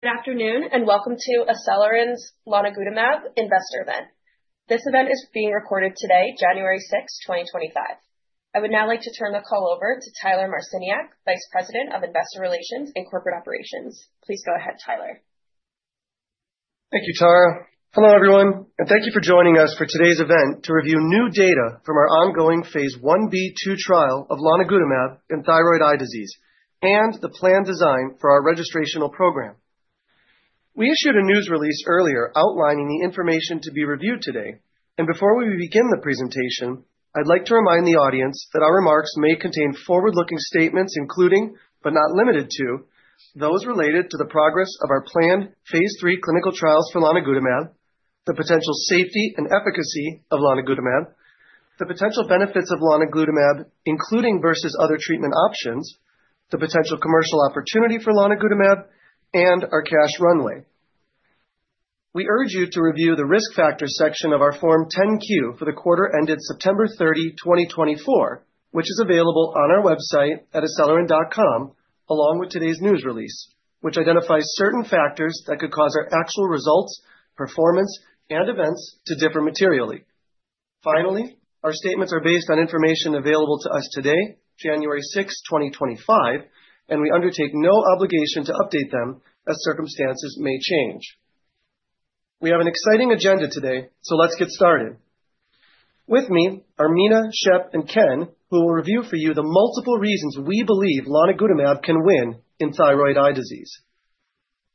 Good afternoon, and welcome to ACELYRIN's lonigutamab Investor Event. This event is being recorded today, January 6, 2025. I would now like to turn the call over to Tyler Marciniak, Vice President of Investor Relations and Corporate Operations. Please go ahead, Tyler. Thank you, Tara. Hello, everyone, and thank you for joining us for today's event to review new data from our ongoing Phase Ib/II trial of lonigutamab in thyroid eye disease and the planned design for our registrational program. We issued a news release earlier outlining the information to be reviewed today, and before we begin the presentation, I'd like to remind the audience that our remarks may contain forward-looking statements, including, but not limited to, those related to the progress of our planned Phase III clinical trials for lonigutamab, the potential safety and efficacy of lonigutamab, the potential benefits of lonigutamab, including versus other treatment options, the potential commercial opportunity for lonigutamab, and our cash runway. We urge you to review the risk factors section of our Form 10-Q for the quarter ended September 30, 2024, which is available on our website at acelyrin.com, along with today's news release, which identifies certain factors that could cause our actual results, performance, and events to differ materially. Finally, our statements are based on information available to us today, January 6, 2025, and we undertake no obligation to update them as circumstances may change. We have an exciting agenda today, so let's get started. With me are Mina, Shep, and Ken, who will review for you the multiple reasons we believe lonigutamab can win in thyroid eye disease.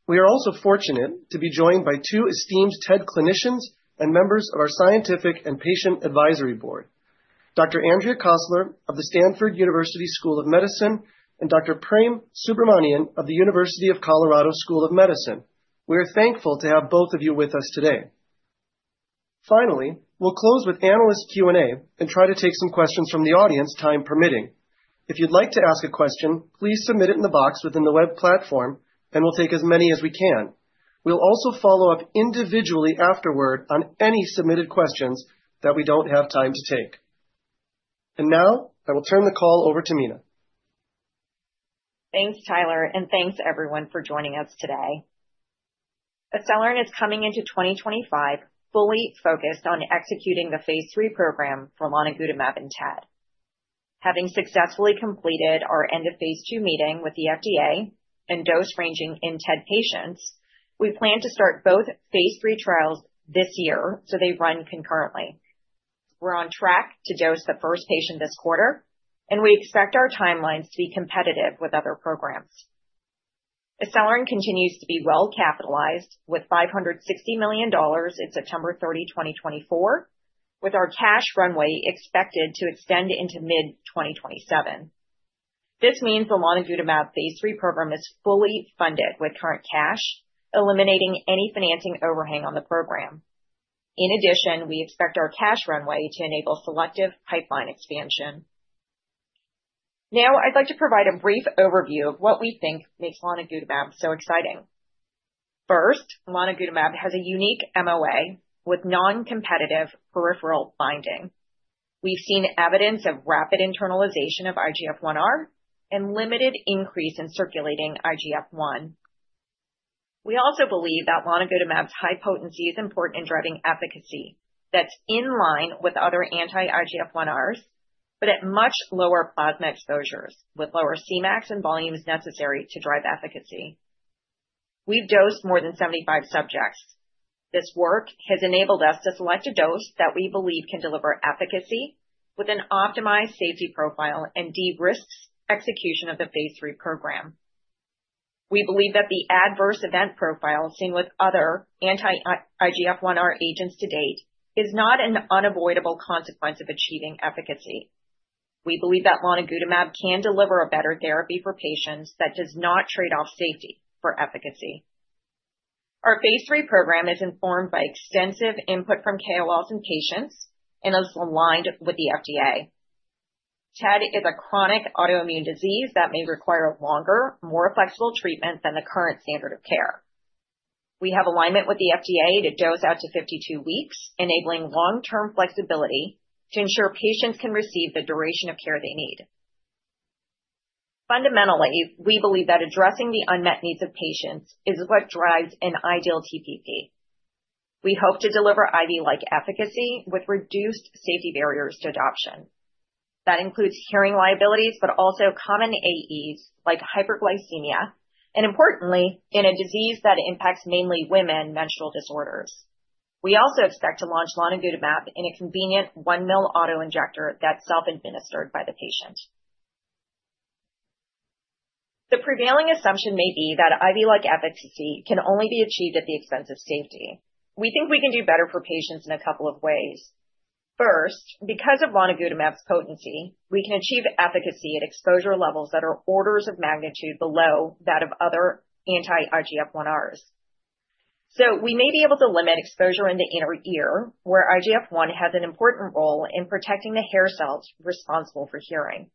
We are also fortunate to be joined by two esteemed TED clinicians and members of our Scientific and Patient Advisory Board, Dr. Andrea Kossler of the Stanford University School of Medicine and Dr. Prem Subramanian of the University of Colorado School of Medicine. We are thankful to have both of you with us today. Finally, we'll close with analyst Q&A and try to take some questions from the audience, time permitting. If you'd like to ask a question, please submit it in the box within the web platform, and we'll take as many as we can. We'll also follow up individually afterward on any submitted questions that we don't have time to take. And now I will turn the call over to Mina. Thanks, Tyler, and thanks everyone for joining us today. ACELYRIN is coming into 2025 fully focused on executing the Phase III program for lonigutamab in TED. Having successfully completed our end of Phase II meeting with the FDA and dose ranging in TED patients, we plan to start both Phase III trials this year so they run concurrently. We're on track to dose the first patient this quarter, and we expect our timelines to be competitive with other programs. ACELYRIN continues to be well capitalized with $560 million as of September 30, 2024, with our cash runway expected to extend into mid-2027. This means the lonigutamab Phase III program is fully funded with current cash, eliminating any financing overhang on the program. In addition, we expect our cash runway to enable selective pipeline expansion. Now, I'd like to provide a brief overview of what we think makes lonigutamab so exciting. First, lonigutamab has a unique MOA with non-competitive peripheral binding. We've seen evidence of rapid internalization of IGF-1R and limited increase in circulating IGF-1. We also believe that lonigutamab's high potency is important in driving efficacy that's in line with other anti-IGF-1Rs, but at much lower plasma exposures, with lower Cmaxes and volumes necessary to drive efficacy. We've dosed more than 75 subjects. This work has enabled us to select a dose that we believe can deliver efficacy with an optimized safety profile and de-risk execution of the Phase III program. We believe that the adverse event profile seen with other anti-IGF-1R agents to date is not an unavoidable consequence of achieving efficacy. We believe that lonigutamab can deliver a better therapy for patients that does not trade off safety for efficacy. Our Phase III program is informed by extensive input from KOLs and patients and is aligned with the FDA. TED is a chronic autoimmune disease that may require a longer, more flexible treatment than the current standard of care. We have alignment with the FDA to dose out to 52 weeks, enabling long-term flexibility to ensure patients can receive the duration of care they need. Fundamentally, we believe that addressing the unmet needs of patients is what drives an ideal TPP. We hope to deliver IV-like efficacy with reduced safety barriers to adoption. That includes hearing liabilities, but also common AEs like hyperglycemia, and importantly, in a disease that impacts mainly women, menstrual disorders. We also expect to launch lonigutamab in a convenient 1 mL autoinjector that's self-administered by the patient. The prevailing assumption may be that IV-like efficacy can only be achieved at the expense of safety. We think we can do better for patients in a couple of ways. First, because of lonigutamab's potency, we can achieve efficacy at exposure levels that are orders of magnitude below that of other anti-IGF-1Rs. So we may be able to limit exposure in the inner ear, where IGF-1 has an important role in protecting the hair cells responsible for hearing.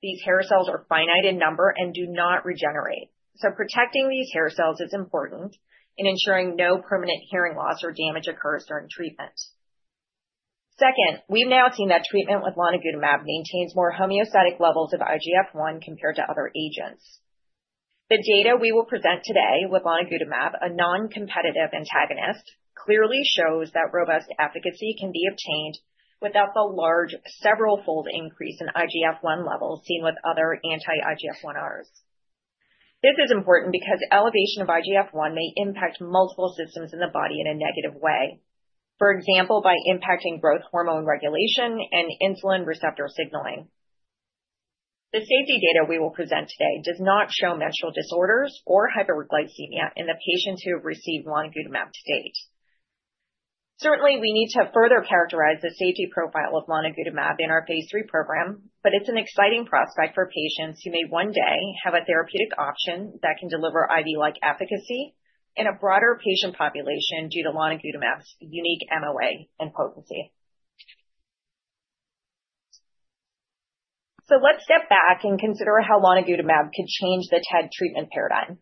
These hair cells are finite in number and do not regenerate. So protecting these hair cells is important in ensuring no permanent hearing loss or damage occurs during treatment. Second, we've now seen that treatment with lonigutamab maintains more homeostatic levels of IGF-1 compared to other agents. The data we will present today with lonigutamab, a non-competitive antagonist, clearly shows that robust efficacy can be obtained without the large several-fold increase in IGF-1 levels seen with other anti-IGF-1Rs. This is important because elevation of IGF-1 may impact multiple systems in the body in a negative way, for example, by impacting growth hormone regulation and insulin receptor signaling. The safety data we will present today does not show menstrual disorders or hyperglycemia in the patients who have received lonigutamab to date. Certainly, we need to further characterize the safety profile of lonigutamab in our Phase III program, but it's an exciting prospect for patients who may one day have a therapeutic option that can deliver IV-like efficacy in a broader patient population due to lonigutamab's unique MOA and potency, so let's step back and consider how lonigutamab could change the TED treatment paradigm.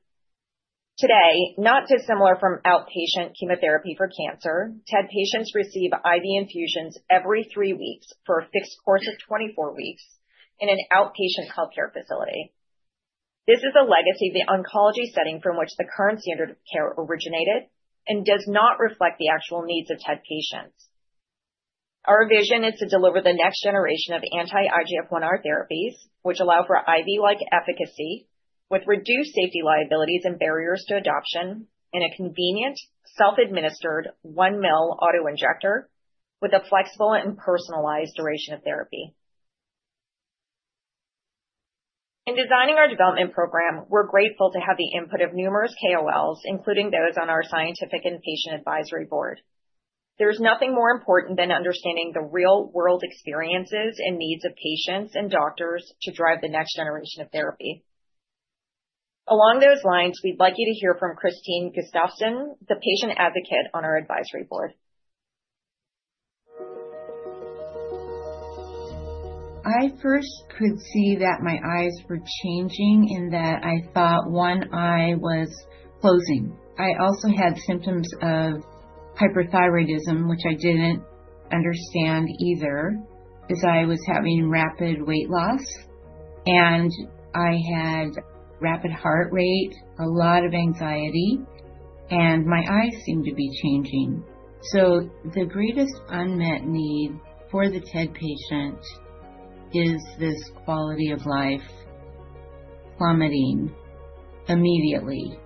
Today, not dissimilar from outpatient chemotherapy for cancer, TED patients receive IV infusions every three weeks for a fixed course of 24 weeks in an outpatient healthcare facility. This is a legacy of the oncology setting from which the current standard of care originated and does not reflect the actual needs of TED patients. Our vision is to deliver the next generation of anti-IGF-1R therapies, which allow for IV-like efficacy with reduced safety liabilities and barriers to adoption in a convenient, self-administered 1 mL autoinjector with a flexible and personalized duration of therapy. In designing our development program, we're grateful to have the input of numerous KOLs, including those on our Scientific and Patient Advisory Board. There's nothing more important than understanding the real-world experiences and needs of patients and doctors to drive the next generation of therapy. Along those lines, we'd like you to hear from Christine Gustafson, the patient advocate on our advisory board. I first could see that my eyes were changing in that I thought one eye was closing. I also had symptoms of hyperthyroidism, which I didn't understand either, as I was having rapid weight loss, and I had rapid heart rate, a lot of anxiety, and my eyes seemed to be changing. So the greatest unmet need for the TED patient is this quality of life plummeting immediately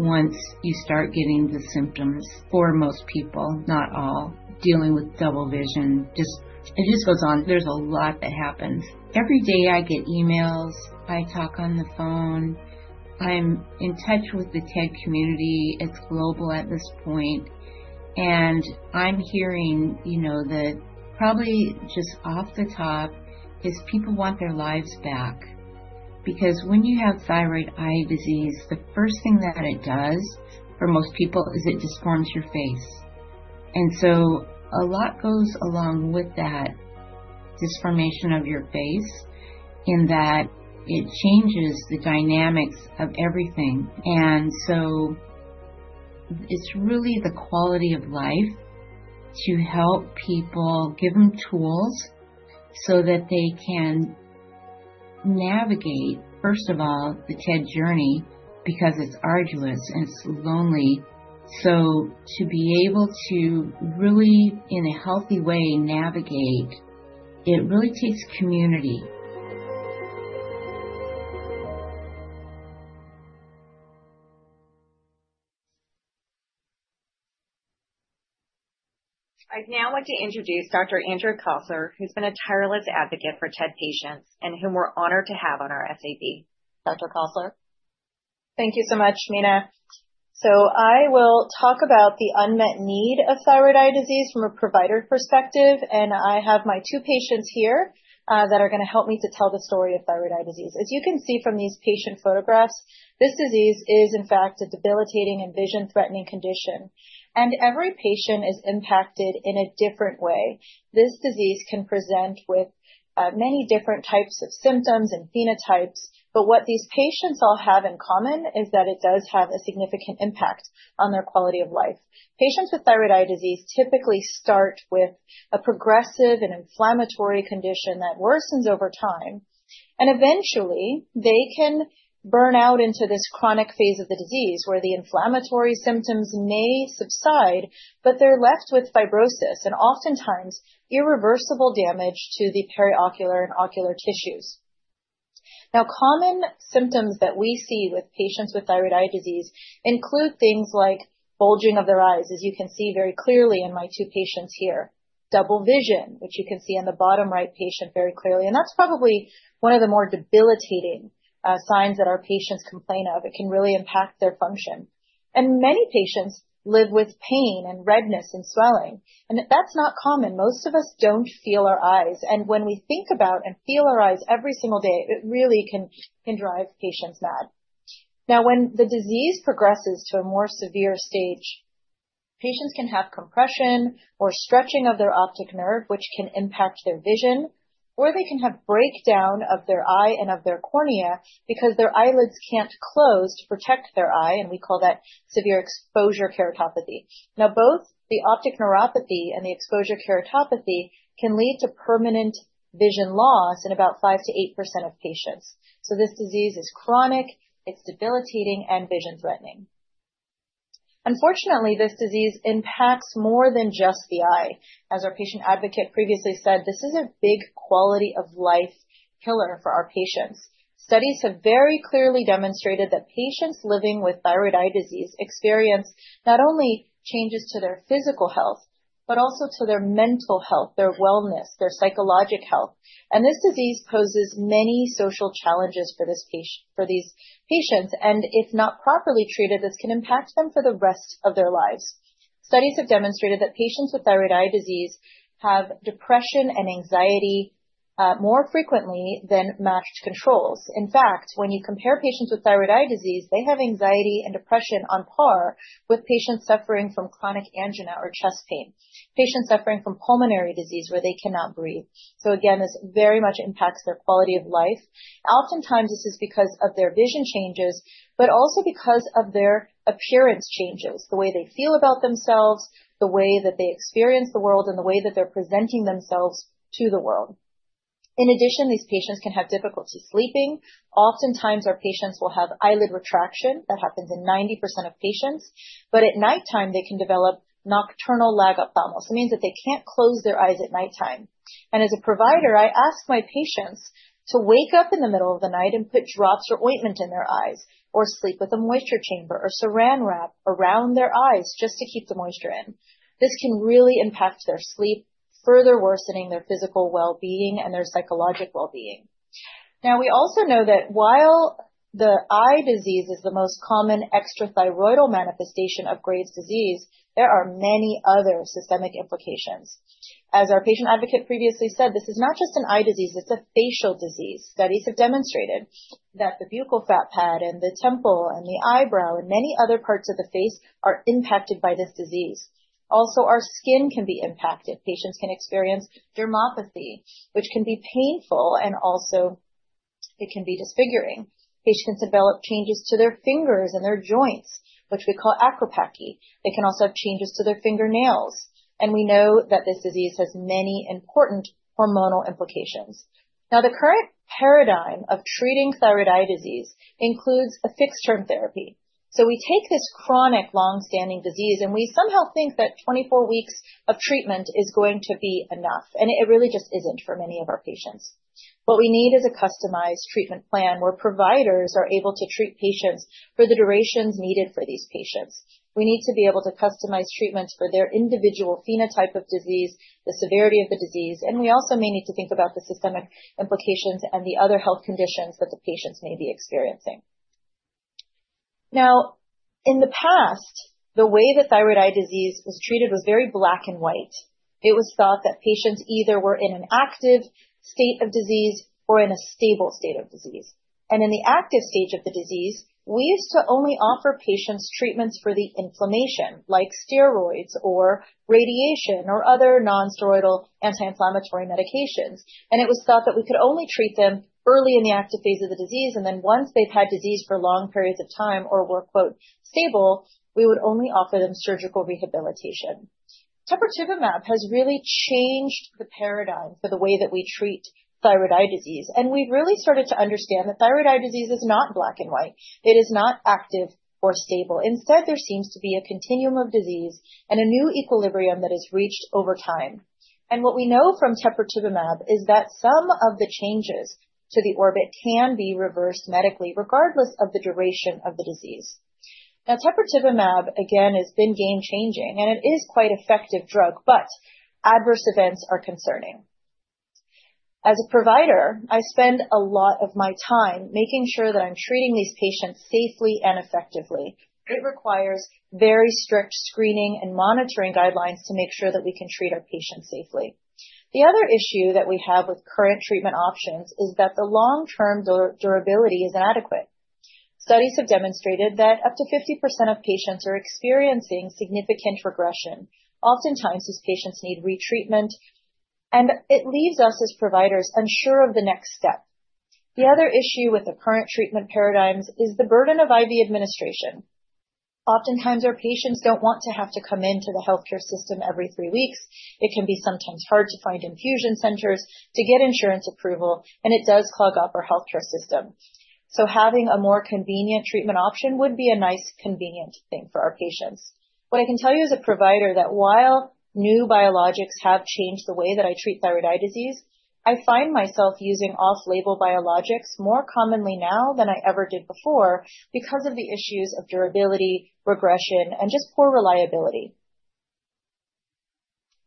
once you start getting the symptoms. For most people, not all, dealing with double vision, just it just goes on. There's a lot that happens. Every day I get emails, I talk on the phone, I'm in touch with the TED community. It's global at this point, and I'm hearing, you know, that probably just off the top is people want their lives back because when you have thyroid eye disease, the first thing that it does for most people is it deforms your face. And so a lot goes along with that deformation of your face in that it changes the dynamics of everything. And so it's really the quality of life to help people, give them tools so that they can navigate, first of all, the TED journey because it's arduous and it's lonely. So to be able to really, in a healthy way, navigate, it really takes community. I now want to introduce Dr. Andrea Kossler, who's been a tireless advocate for TED patients and whom we're honored to have on our SAB. Dr. Kossler? Thank you so much, Mina. So I will talk about the unmet need of thyroid eye disease from a provider perspective, and I have my two patients here that are going to help me to tell the story of thyroid eye disease. As you can see from these patient photographs, this disease is, in fact, a debilitating and vision-threatening condition, and every patient is impacted in a different way. This disease can present with many different types of symptoms and phenotypes, but what these patients all have in common is that it does have a significant impact on their quality of life. Patients with thyroid eye disease typically start with a progressive and inflammatory condition that worsens over time, and eventually they can burn out into this chronic phase of the disease where the inflammatory symptoms may subside, but they're left with fibrosis and oftentimes irreversible damage to the periocular and ocular tissues. Now, common symptoms that we see with patients with thyroid eye disease include things like bulging of their eyes, as you can see very clearly in my two patients here, double vision, which you can see in the bottom right patient very clearly, and that's probably one of the more debilitating signs that our patients complain of. It can really impact their function, and many patients live with pain and redness and swelling, and that's not common. Most of us don't feel our eyes, and when we think about and feel our eyes every single day, it really can drive patients mad. Now, when the disease progresses to a more severe stage, patients can have compression or stretching of their optic nerve, which can impact their vision, or they can have breakdown of their eye and of their cornea because their eyelids can't close to protect their eye, and we call that severe exposure keratopathy. Now, both the optic neuropathy and the exposure keratopathy can lead to permanent vision loss in about 5%-8% of patients. So this disease is chronic, it's debilitating, and vision-threatening. Unfortunately, this disease impacts more than just the eye. As our patient advocate previously said, this is a big quality of life killer for our patients. Studies have very clearly demonstrated that patients living with thyroid eye disease experience not only changes to their physical health, but also to their mental health, their wellness, their psychological health, and this disease poses many social challenges for these patients, and if not properly treated, this can impact them for the rest of their lives. Studies have demonstrated that patients with thyroid eye disease have depression and anxiety more frequently than matched controls. In fact, when you compare patients with thyroid eye disease, they have anxiety and depression on par with patients suffering from chronic angina or chest pain, patients suffering from pulmonary disease where they cannot breathe, so again, this very much impacts their quality of life. Oftentimes, this is because of their vision changes, but also because of their appearance changes, the way they feel about themselves, the way that they experience the world, and the way that they're presenting themselves to the world. In addition, these patients can have difficulty sleeping. Oftentimes, our patients will have eyelid retraction. That happens in 90% of patients, but at nighttime, they can develop nocturnal lagophthalmos. It means that they can't close their eyes at nighttime. As a provider, I ask my patients to wake up in the middle of the night and put drops or ointment in their eyes or sleep with a moisture chamber or Saran Wrap around their eyes just to keep the moisture in. This can really impact their sleep, further worsening their physical well-being and their psychological well-being. Now, we also know that while the eye disease is the most common extrathyroidal manifestation of Graves' disease, there are many other systemic implications. As our patient advocate previously said, this is not just an eye disease. It's a facial disease. Studies have demonstrated that the buccal fat pad and the temple and the eyebrow and many other parts of the face are impacted by this disease. Also, our skin can be impacted. Patients can experience dermopathy, which can be painful, and also it can be disfiguring. Patients develop changes to their fingers and their joints, which we call acropathy. They can also have changes to their fingernails, and we know that this disease has many important hormonal implications. Now, the current paradigm of treating thyroid eye disease includes a fixed-term therapy. So we take this chronic, long-standing disease, and we somehow think that 24 weeks of treatment is going to be enough, and it really just isn't for many of our patients. What we need is a customized treatment plan where providers are able to treat patients for the durations needed for these patients. We need to be able to customize treatments for their individual phenotype of disease, the severity of the disease, and we also may need to think about the systemic implications and the other health conditions that the patients may be experiencing. Now, in the past, the way that thyroid eye disease was treated was very black and white. It was thought that patients either were in an active state of disease or in a stable state of disease. In the active stage of the disease, we used to only offer patients treatments for the inflammation, like steroids or radiation or other non-steroidal anti-inflammatory medications, and it was thought that we could only treat them early in the active phase of the disease, and then once they've had disease for long periods of time or were "stable," we would only offer them surgical rehabilitation. Teprotumumab has really changed the paradigm for the way that we treat thyroid eye disease, and we've really started to understand that thyroid eye disease is not black and white. It is not active or stable. Instead, there seems to be a continuum of disease and a new equilibrium that is reached over time. What we know from teprotumumab is that some of the changes to the orbit can be reversed medically, regardless of the duration of the disease. Now, teprotumumab, again, has been game-changing, and it is quite an effective drug, but adverse events are concerning. As a provider, I spend a lot of my time making sure that I'm treating these patients safely and effectively. It requires very strict screening and monitoring guidelines to make sure that we can treat our patients safely. The other issue that we have with current treatment options is that the long-term durability is inadequate. Studies have demonstrated that up to 50% of patients are experiencing significant regression. Oftentimes, these patients need retreatment, and it leaves us as providers unsure of the next step. The other issue with the current treatment paradigms is the burden of IV administration. Oftentimes, our patients don't want to have to come into the healthcare system every three weeks. It can be sometimes hard to find infusion centers to get insurance approval, and it does clog up our healthcare system. So having a more convenient treatment option would be a nice convenient thing for our patients. What I can tell you as a provider is that while new biologics have changed the way that I treat thyroid eye disease, I find myself using off-label biologics more commonly now than I ever did before because of the issues of durability, regression, and just poor reliability.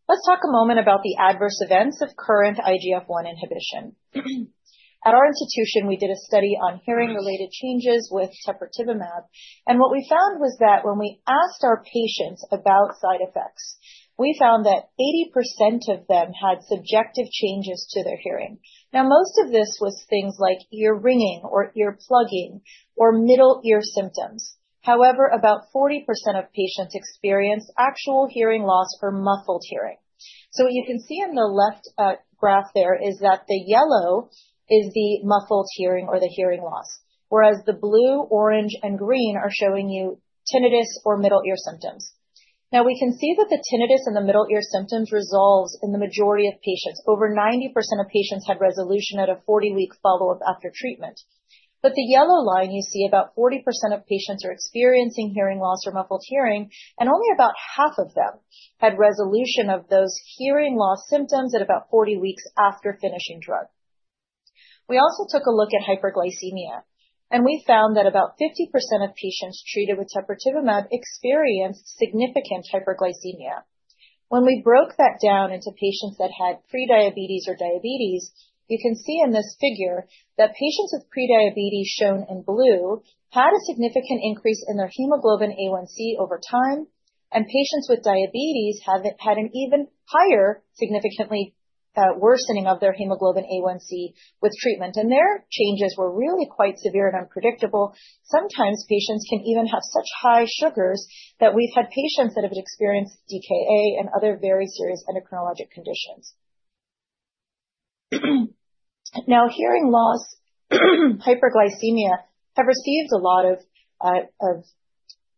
Let's talk a moment about the adverse events of current IGF-1 inhibition. At our institution, we did a study on hearing-related changes with teprotumumab, and what we found was that when we asked our patients about side effects, we found that 80% of them had subjective changes to their hearing. Now, most of this was things like ear ringing or ear plugging or middle ear symptoms. However, about 40% of patients experienced actual hearing loss or muffled hearing. So what you can see in the left graph there is that the yellow is the muffled hearing or the hearing loss, whereas the blue, orange, and green are showing you tinnitus or middle ear symptoms. Now, we can see that the tinnitus and the middle ear symptoms resolve in the majority of patients. Over 90% of patients had resolution at a 40-week follow-up after treatment. But the yellow line you see, about 40% of patients are experiencing hearing loss or muffled hearing, and only about half of them had resolution of those hearing loss symptoms at about 40 weeks after finishing drug. We also took a look at hyperglycemia, and we found that about 50% of patients treated with teprotumumab experienced significant hyperglycemia. When we broke that down into patients that had prediabetes or diabetes, you can see in this figure that patients with prediabetes shown in blue had a significant increase in their hemoglobin A1c over time, and patients with diabetes had an even higher significantly worsening of their hemoglobin A1c with treatment, and their changes were really quite severe and unpredictable. Sometimes patients can even have such high sugars that we've had patients that have experienced DKA and other very serious endocrinologic conditions. Now, hearing loss, hyperglycemia has received a lot of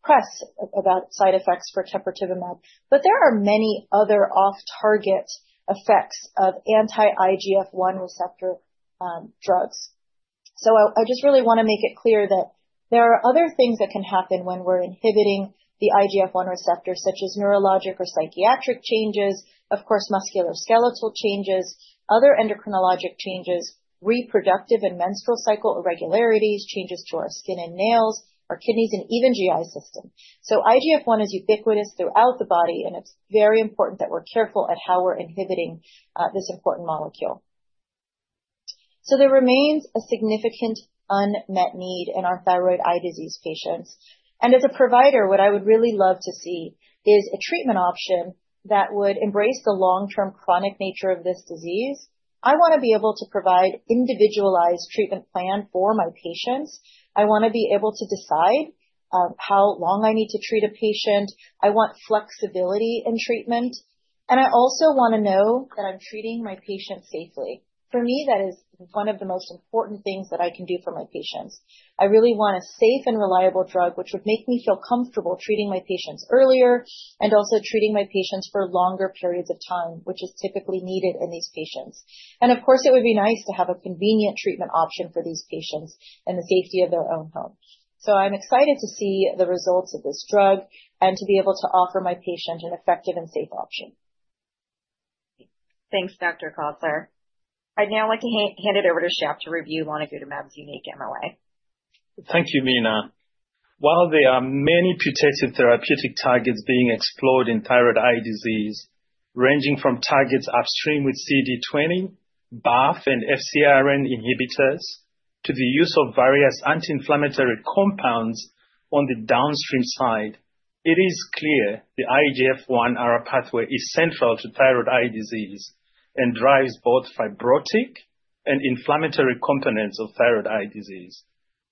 press about side effects for teprotumumab, but there are many other off-target effects of anti-IGF-1 receptor drugs. So I just really want to make it clear that there are other things that can happen when we're inhibiting the IGF-1 receptor, such as neurologic or psychiatric changes, of course, musculoskeletal changes, other endocrinologic changes, reproductive and menstrual cycle irregularities, changes to our skin and nails, our kidneys, and even GI system. So IGF-1 is ubiquitous throughout the body, and it's very important that we're careful at how we're inhibiting this important molecule. So there remains a significant unmet need in our thyroid eye disease patients, and as a provider, what I would really love to see is a treatment option that would embrace the long-term chronic nature of this disease. I want to be able to provide an individualized treatment plan for my patients. I want to be able to decide how long I need to treat a patient. I want flexibility in treatment, and I also want to know that I'm treating my patients safely. For me, that is one of the most important things that I can do for my patients. I really want a safe and reliable drug which would make me feel comfortable treating my patients earlier and also treating my patients for longer periods of time, which is typically needed in these patients. And of course, it would be nice to have a convenient treatment option for these patients in the safety of their own home. So I'm excited to see the results of this drug and to be able to offer my patients an effective and safe option. Thanks, Dr. Kossler. I'd now like to hand it over to Shep to review lonigutamab's unique MOA. Thank you, Mina. While there are many potential therapeutic targets being explored in thyroid eye disease, ranging from targets upstream with CD20, BAFF, and FcRn inhibitors to the use of various anti-inflammatory compounds on the downstream side, it is clear the IGF-1R pathway is central to thyroid eye disease and drives both fibrotic and inflammatory components of thyroid eye disease.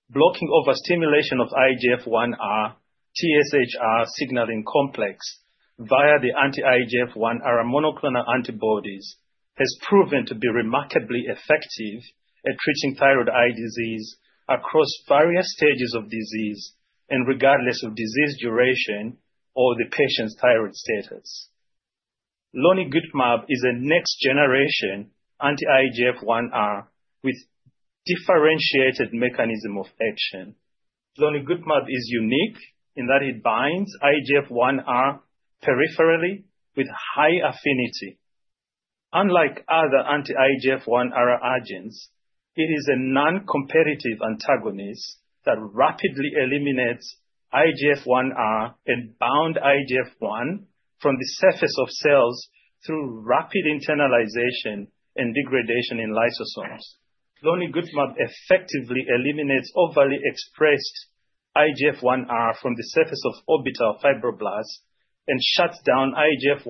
Blocking overstimulation of IGF-1R/TSHR signaling complex via the anti-IGF-1R monoclonal antibodies has proven to be remarkably effective at treating thyroid eye disease across various stages of disease and regardless of disease duration or the patient's thyroid status. Lonigutamab is a next-generation anti-IGF-1R with differentiated mechanism of action. Lonigutamab is unique in that it binds IGF-1R peripherally with high affinity. Unlike other anti-IGF-1R agents, it is a non-competitive antagonist that rapidly eliminates IGF-1R and bound IGF-1 from the surface of cells through rapid internalization and degradation in lysosomes. Lonigutamab effectively eliminates overly expressed IGF-1R from the surface of orbital fibroblasts and shuts down IGF-1R/TSHR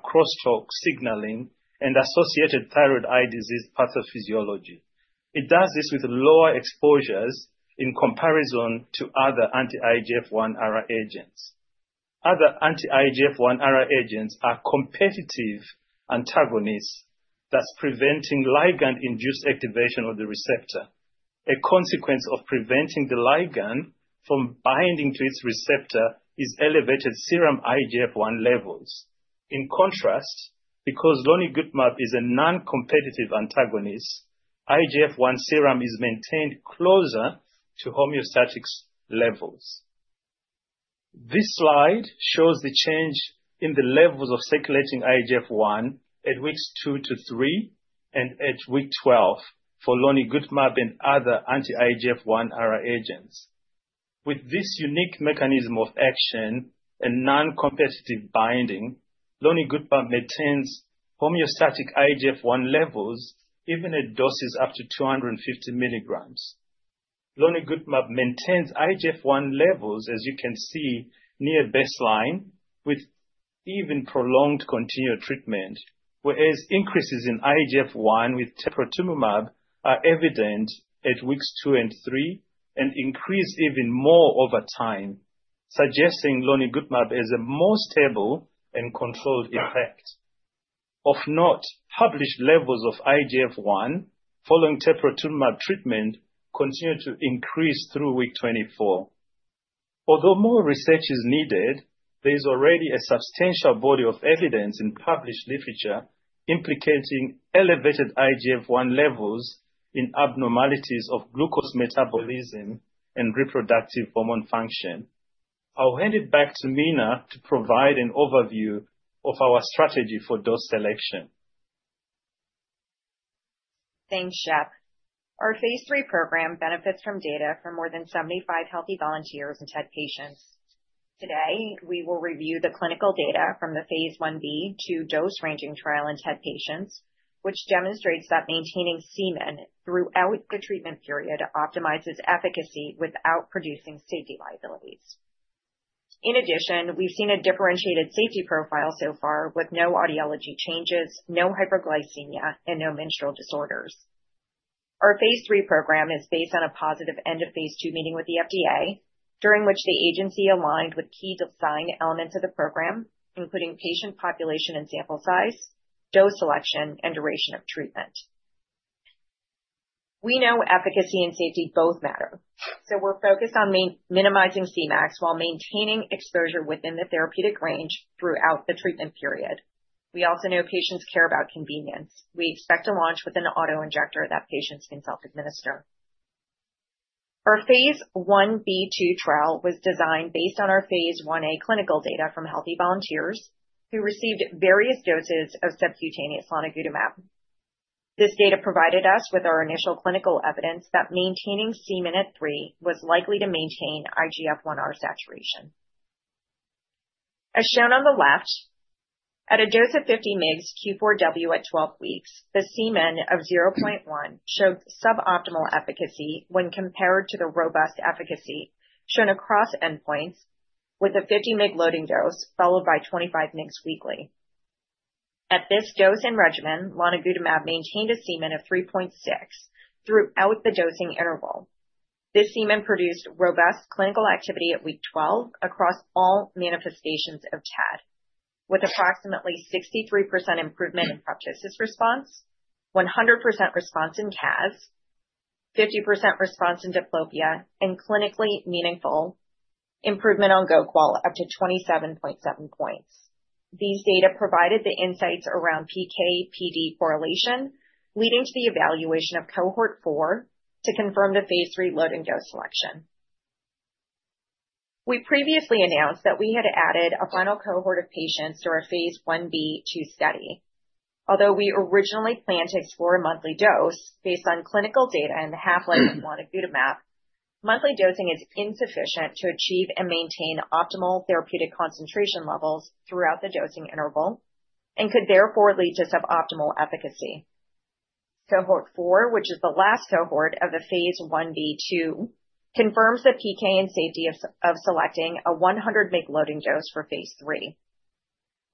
crosstalk signaling and associated thyroid eye disease pathophysiology. It does this with lower exposures in comparison to other anti-IGF-1R agents. Other anti-IGF-1R agents are competitive antagonists that's preventing ligand-induced activation of the receptor. A consequence of preventing the ligand from binding to its receptor is elevated serum IGF-1 levels. In contrast, because lonigutamab is a non-competitive antagonist, IGF-1 serum is maintained closer to homeostatic levels. This slide shows the change in the levels of circulating IGF-1 at weeks two to three and at week 12 for lonigutamab and other anti-IGF-1R agents. With this unique mechanism of action and non-competitive binding, lonigutamab maintains homeostatic IGF-1 levels even at doses up to 250 mg. Lonigutamab maintains IGF-1 levels, as you can see, near baseline with even prolonged continued treatment, whereas increases in IGF-1 with teprotumumab are evident at weeks two and three and increase even more over time, suggesting lonigutamab is a more stable and controlled effect. Of note, published levels of IGF-1 following teprotumumab treatment continue to increase through week 24. Although more research is needed, there is already a substantial body of evidence in published literature implicating elevated IGF-1 levels in abnormalities of glucose metabolism and reproductive hormone function. I'll hand it back to Mina to provide an overview of our strategy for dose selection. Thanks, Shep. Our Phase III program benefits from data from more than 75 healthy volunteers and TED patients. Today, we will review the clinical data from the Phase Ib dose-ranging trial in TED patients, which demonstrates that maintaining Cmin throughout the treatment period optimizes efficacy without producing safety liabilities. In addition, we've seen a differentiated safety profile so far with no audiology changes, no hyperglycemia, and no menstrual disorders. Our Phase III program is based on a positive end-of-Phase II meeting with the FDA, during which the agency aligned with key design elements of the program, including patient population and sample size, dose selection, and duration of treatment. We know efficacy and safety both matter, so we're focused on minimizing Cmax while maintaining exposure within the therapeutic range throughout the treatment period. We also know patients care about convenience. We expect to launch with an autoinjector that patients can self-administer. Our Phase Ib/II trial was designed based on our Phase Ia clinical data from healthy volunteers who received various doses of subcutaneous lonigutamab. This data provided us with our initial clinical evidence that maintaining Cmin at three was likely to maintain IGF-1R saturation. As shown on the left, at a dose of 50 mg Q4W at 12 weeks, the Cmin of 0.1 showed suboptimal efficacy when compared to the robust efficacy shown across endpoints with a 50 mg loading dose followed by 25 mg weekly. At this dose and regimen, lonigutamab maintained a Cmin of 3.6 throughout the dosing interval. This Cmin produced robust clinical activity at week 12 across all manifestations of TED, with approximately 63% improvement in proptosis response, 100% response in CAS, 50% response in diplopia, and clinically meaningful improvement on GO-QOL up to 27.7 points. These data provided the insights around PK/PD correlation, leading to the evaluation of cohort four to confirm the Phase III load and dose selection. We previously announced that we had added a final cohort of patients to our Phase Ib/II study. Although we originally planned to explore a monthly dose based on clinical data and the half-life of lonigutamab, monthly dosing is insufficient to achieve and maintain optimal therapeutic concentration levels throughout the dosing interval and could therefore lead to suboptimal efficacy. Cohort four, which is the last cohort of the Phase Ib/II, confirms the PK and safety of selecting a 100 mg loading dose for Phase III.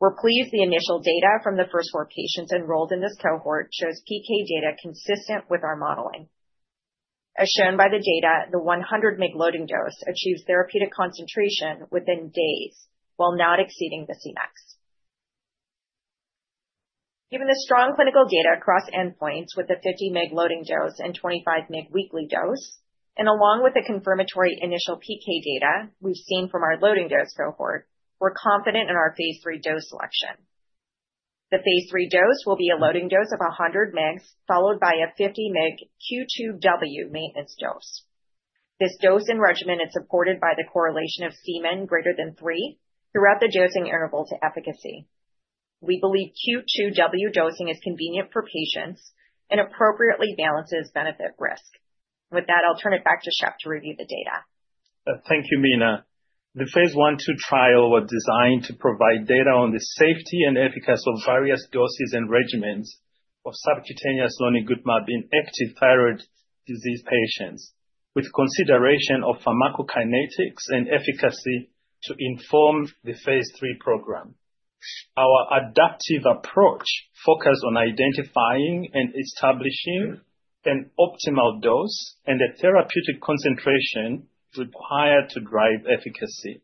We're pleased the initial data from the first four patients enrolled in this cohort shows PK data consistent with our modeling. As shown by the data, the 100 mg loading dose achieves therapeutic concentration within days while not exceeding the Cmaxes. Given the strong clinical data across endpoints with the 50 mg loading dose and 25 mg weekly dose, and along with the confirmatory initial PK data we've seen from our loading dose cohort, we're confident in our Phase III dose selection. The Phase III dose will be a loading dose of 100 mg followed by a 50 mg Q2W maintenance dose. This dose and regimen is supported by the correlation of Cmin greater than three throughout the dosing interval to efficacy. We believe Q2W dosing is convenient for patients and appropriately balances benefit-risk. With that, I'll turn it back to Shep to review the data. Thank you, Mina. The Phase Ib/II trial was designed to provide data on the safety and efficacy of various doses and regimens of subcutaneous lonigutamab in active thyroid eye disease patients with consideration of pharmacokinetics and efficacy to inform the Phase III program. Our adaptive approach focuses on identifying and establishing an optimal dose and the therapeutic concentration required to drive efficacy.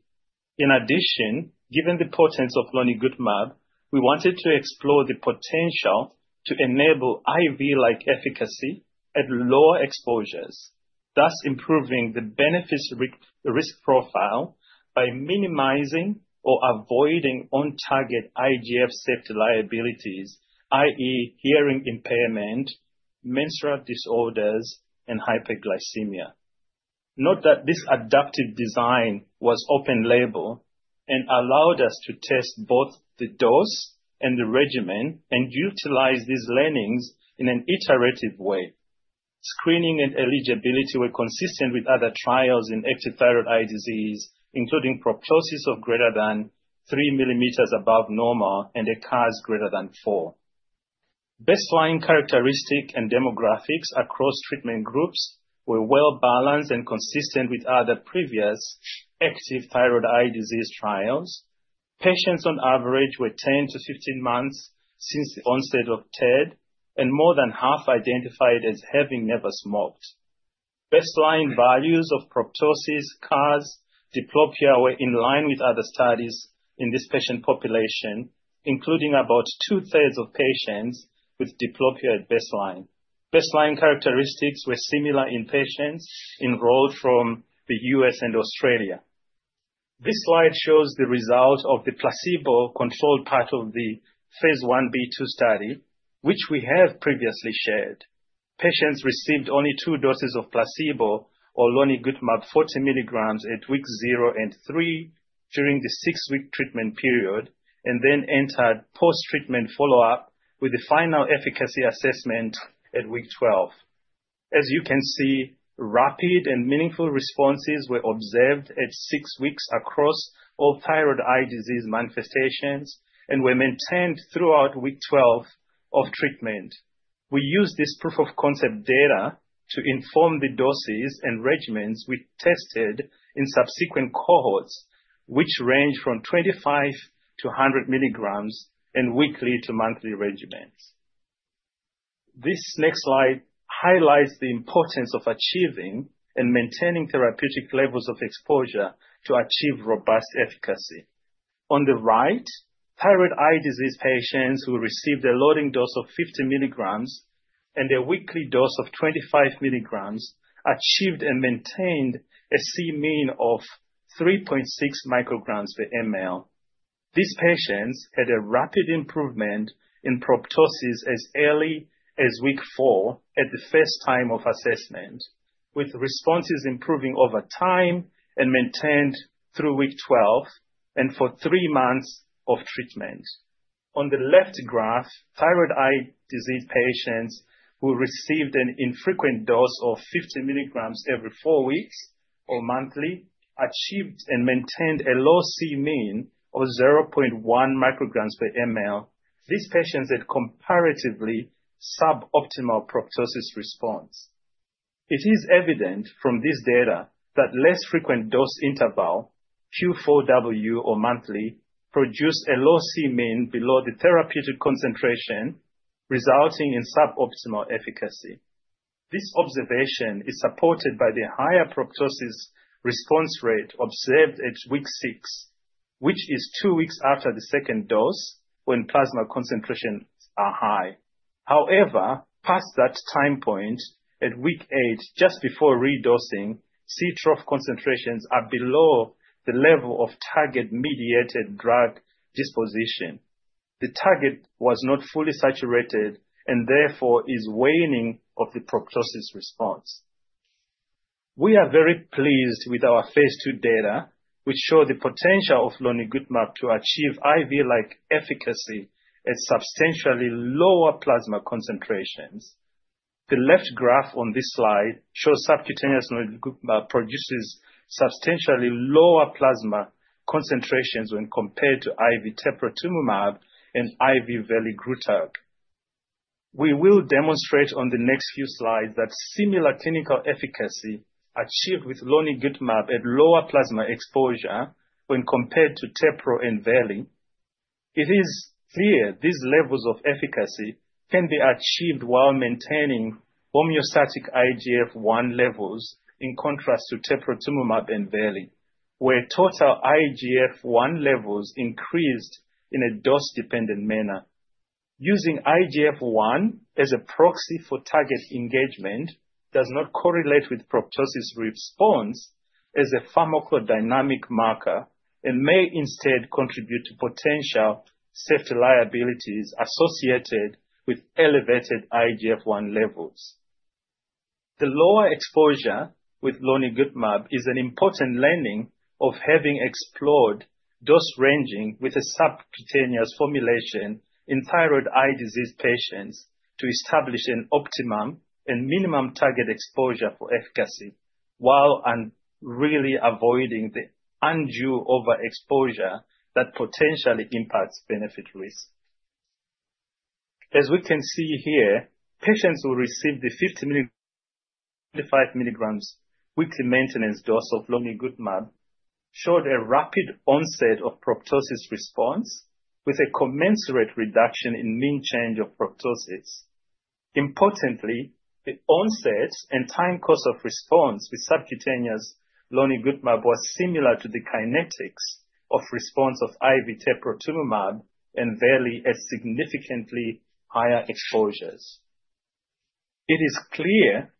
In addition, given the potency of lonigutamab, we wanted to explore the potential to enable IV-like efficacy at lower exposures, thus improving the benefit-risk profile by minimizing or avoiding on-target IGF safety liabilities, i.e., hearing impairment, menstrual disorders, and hyperglycemia. Note that this adaptive design was open-label and allowed us to test both the dose and the regimen and utilize these learnings in an iterative way. Screening and eligibility were consistent with other trials in active thyroid eye disease, including proptosis of greater than 3 mm above normal and a CAS greater than four. Baseline characteristics and demographics across treatment groups were well-balanced and consistent with other previous active thyroid eye disease trials. Patients on average were 10 to 15 months since the onset of TED, and more than half identified as having never smoked. Baseline values of proptosis, CAS, diplopia were in line with other studies in this patient population, including about two-thirds of patients with diplopia at baseline. Baseline characteristics were similar in patients enrolled from the U.S. and Australia. This slide shows the result of the placebo-controlled part of the Phase Ib/II study, which we have previously shared. Patients received only two doses of placebo or lonigutamab 40 mg at week zero and three during the six-week treatment period and then entered post-treatment follow-up with the final efficacy assessment at week 12. As you can see, rapid and meaningful responses were observed at six weeks across all thyroid eye disease manifestations and were maintained throughout week 12 of treatment. We used this proof of concept data to inform the doses and regimens we tested in subsequent cohorts, which ranged from 25 to 100 milligrams and weekly to monthly regimens. This next slide highlights the importance of achieving and maintaining therapeutic levels of exposure to achieve robust efficacy. On the right, thyroid eye disease patients who received a loading dose of 50 mg and a weekly dose of 25 mg achieved and maintained a Cmin of 3.6 micrograms per mL. These patients had a rapid improvement in proptosis as early as week four at the first time of assessment, with responses improving over time and maintained through week 12 and for three months of treatment. On the left graph, thyroid eye disease patients who received an infrequent dose of 50 mg every four weeks or monthly achieved and maintained a low Cmin of 0.1 micrograms per mL. These patients had comparatively suboptimal proptosis response. It is evident from this data that less frequent dose interval, Q4W or monthly, produced a low Cmin below the therapeutic concentration, resulting in suboptimal efficacy. This observation is supported by the higher proptosis response rate observed at week six, which is two weeks after the second dose when plasma concentrations are high. However, past that time point at week eight, just before redosing, Ctrough concentrations are below the level of target-mediated drug disposition. The target was not fully saturated and therefore is waning of the proptosis response. We are very pleased with our Phase II data, which shows the potential of lonigutamab to achieve IV-like efficacy at substantially lower plasma concentrations. The left graph on this slide shows subcutaneous lonigutamab produces substantially lower plasma concentrations when compared to IV teprotumumab and IV veligrotug. We will demonstrate on the next few slides that similar clinical efficacy achieved with lonigutamab at lower plasma exposure when compared to tepro and veli. It is clear these levels of efficacy can be achieved while maintaining homeostatic IGF-1 levels in contrast to teprotumumab and veli, where total IGF-1 levels increased in a dose-dependent manner. Using IGF-1 as a proxy for target engagement does not correlate with proptosis response as a pharmacodynamic marker and may instead contribute to potential safety liabilities associated with elevated IGF-1 levels. The lower exposure with lonigutamab is an important learning of having explored dose ranging with a subcutaneous formulation in thyroid eye disease patients to establish an optimum and minimum target exposure for efficacy while really avoiding the undue overexposure that potentially impacts benefit-risk. As we can see here, patients who received the 50 mg weekly maintenance dose of lonigutamab showed a rapid onset of proptosis response with a commensurate reduction in mean change of proptosis. Importantly, the onset and time course of response with subcutaneous lonigutamab were similar to the kinetics of response of IV teprotumumab and veligrotug at significantly higher exposures. It is clear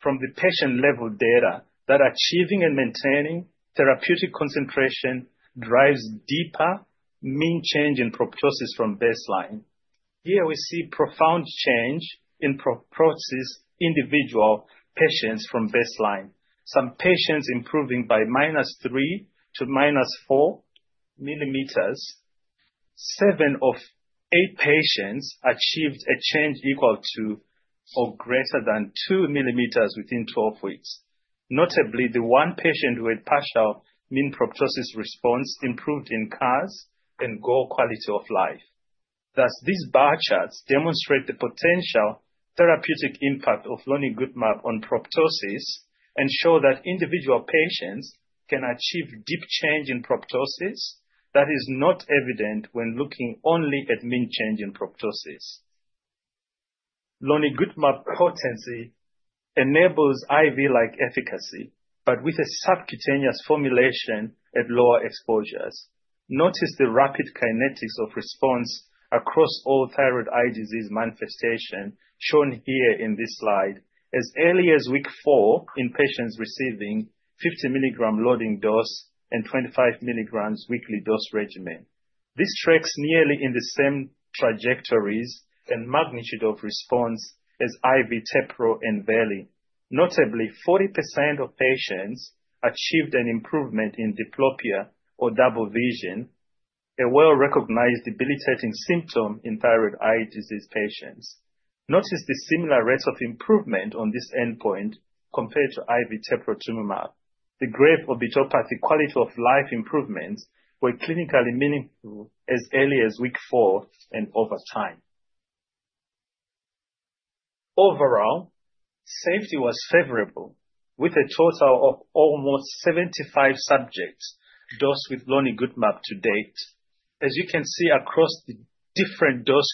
from the patient-level data that achieving and maintaining therapeutic concentration drives deeper mean change in proptosis from baseline. Here we see profound change in proptosis individual patients from baseline. Some patients improving by minus three to minus four millimeters. Seven of eight patients achieved a change equal to or greater than 2 mm within 12 weeks. Notably, the one patient who had partial mean proptosis response improved in CAS and GO-QOL. Thus, these bar charts demonstrate the potential therapeutic impact of lonigutamab on proptosis and show that individual patients can achieve deep change in proptosis that is not evident when looking only at mean change in proptosis. Lonigutamab potency enables IV-like efficacy, but with a subcutaneous formulation at lower exposures. Notice the rapid kinetics of response across all thyroid eye disease manifestations shown here in this slide as early as week four in patients receiving 50 mg loading dose and 25 mg weekly dose regimen. This tracks nearly in the same trajectories and magnitude of response as IV tepro and veli. Notably, 40% of patients achieved an improvement in diplopia or double vision, a well-recognized debilitating symptom in thyroid eye disease patients. Notice the similar rates of improvement on this endpoint compared to IV teprotumumab. The Graves' orbitopathy quality of life improvements were clinically meaningful as early as week four and over time. Overall, safety was favorable with a total of almost 75 subjects dosed with lonigutamab to date. As you can see across the different dose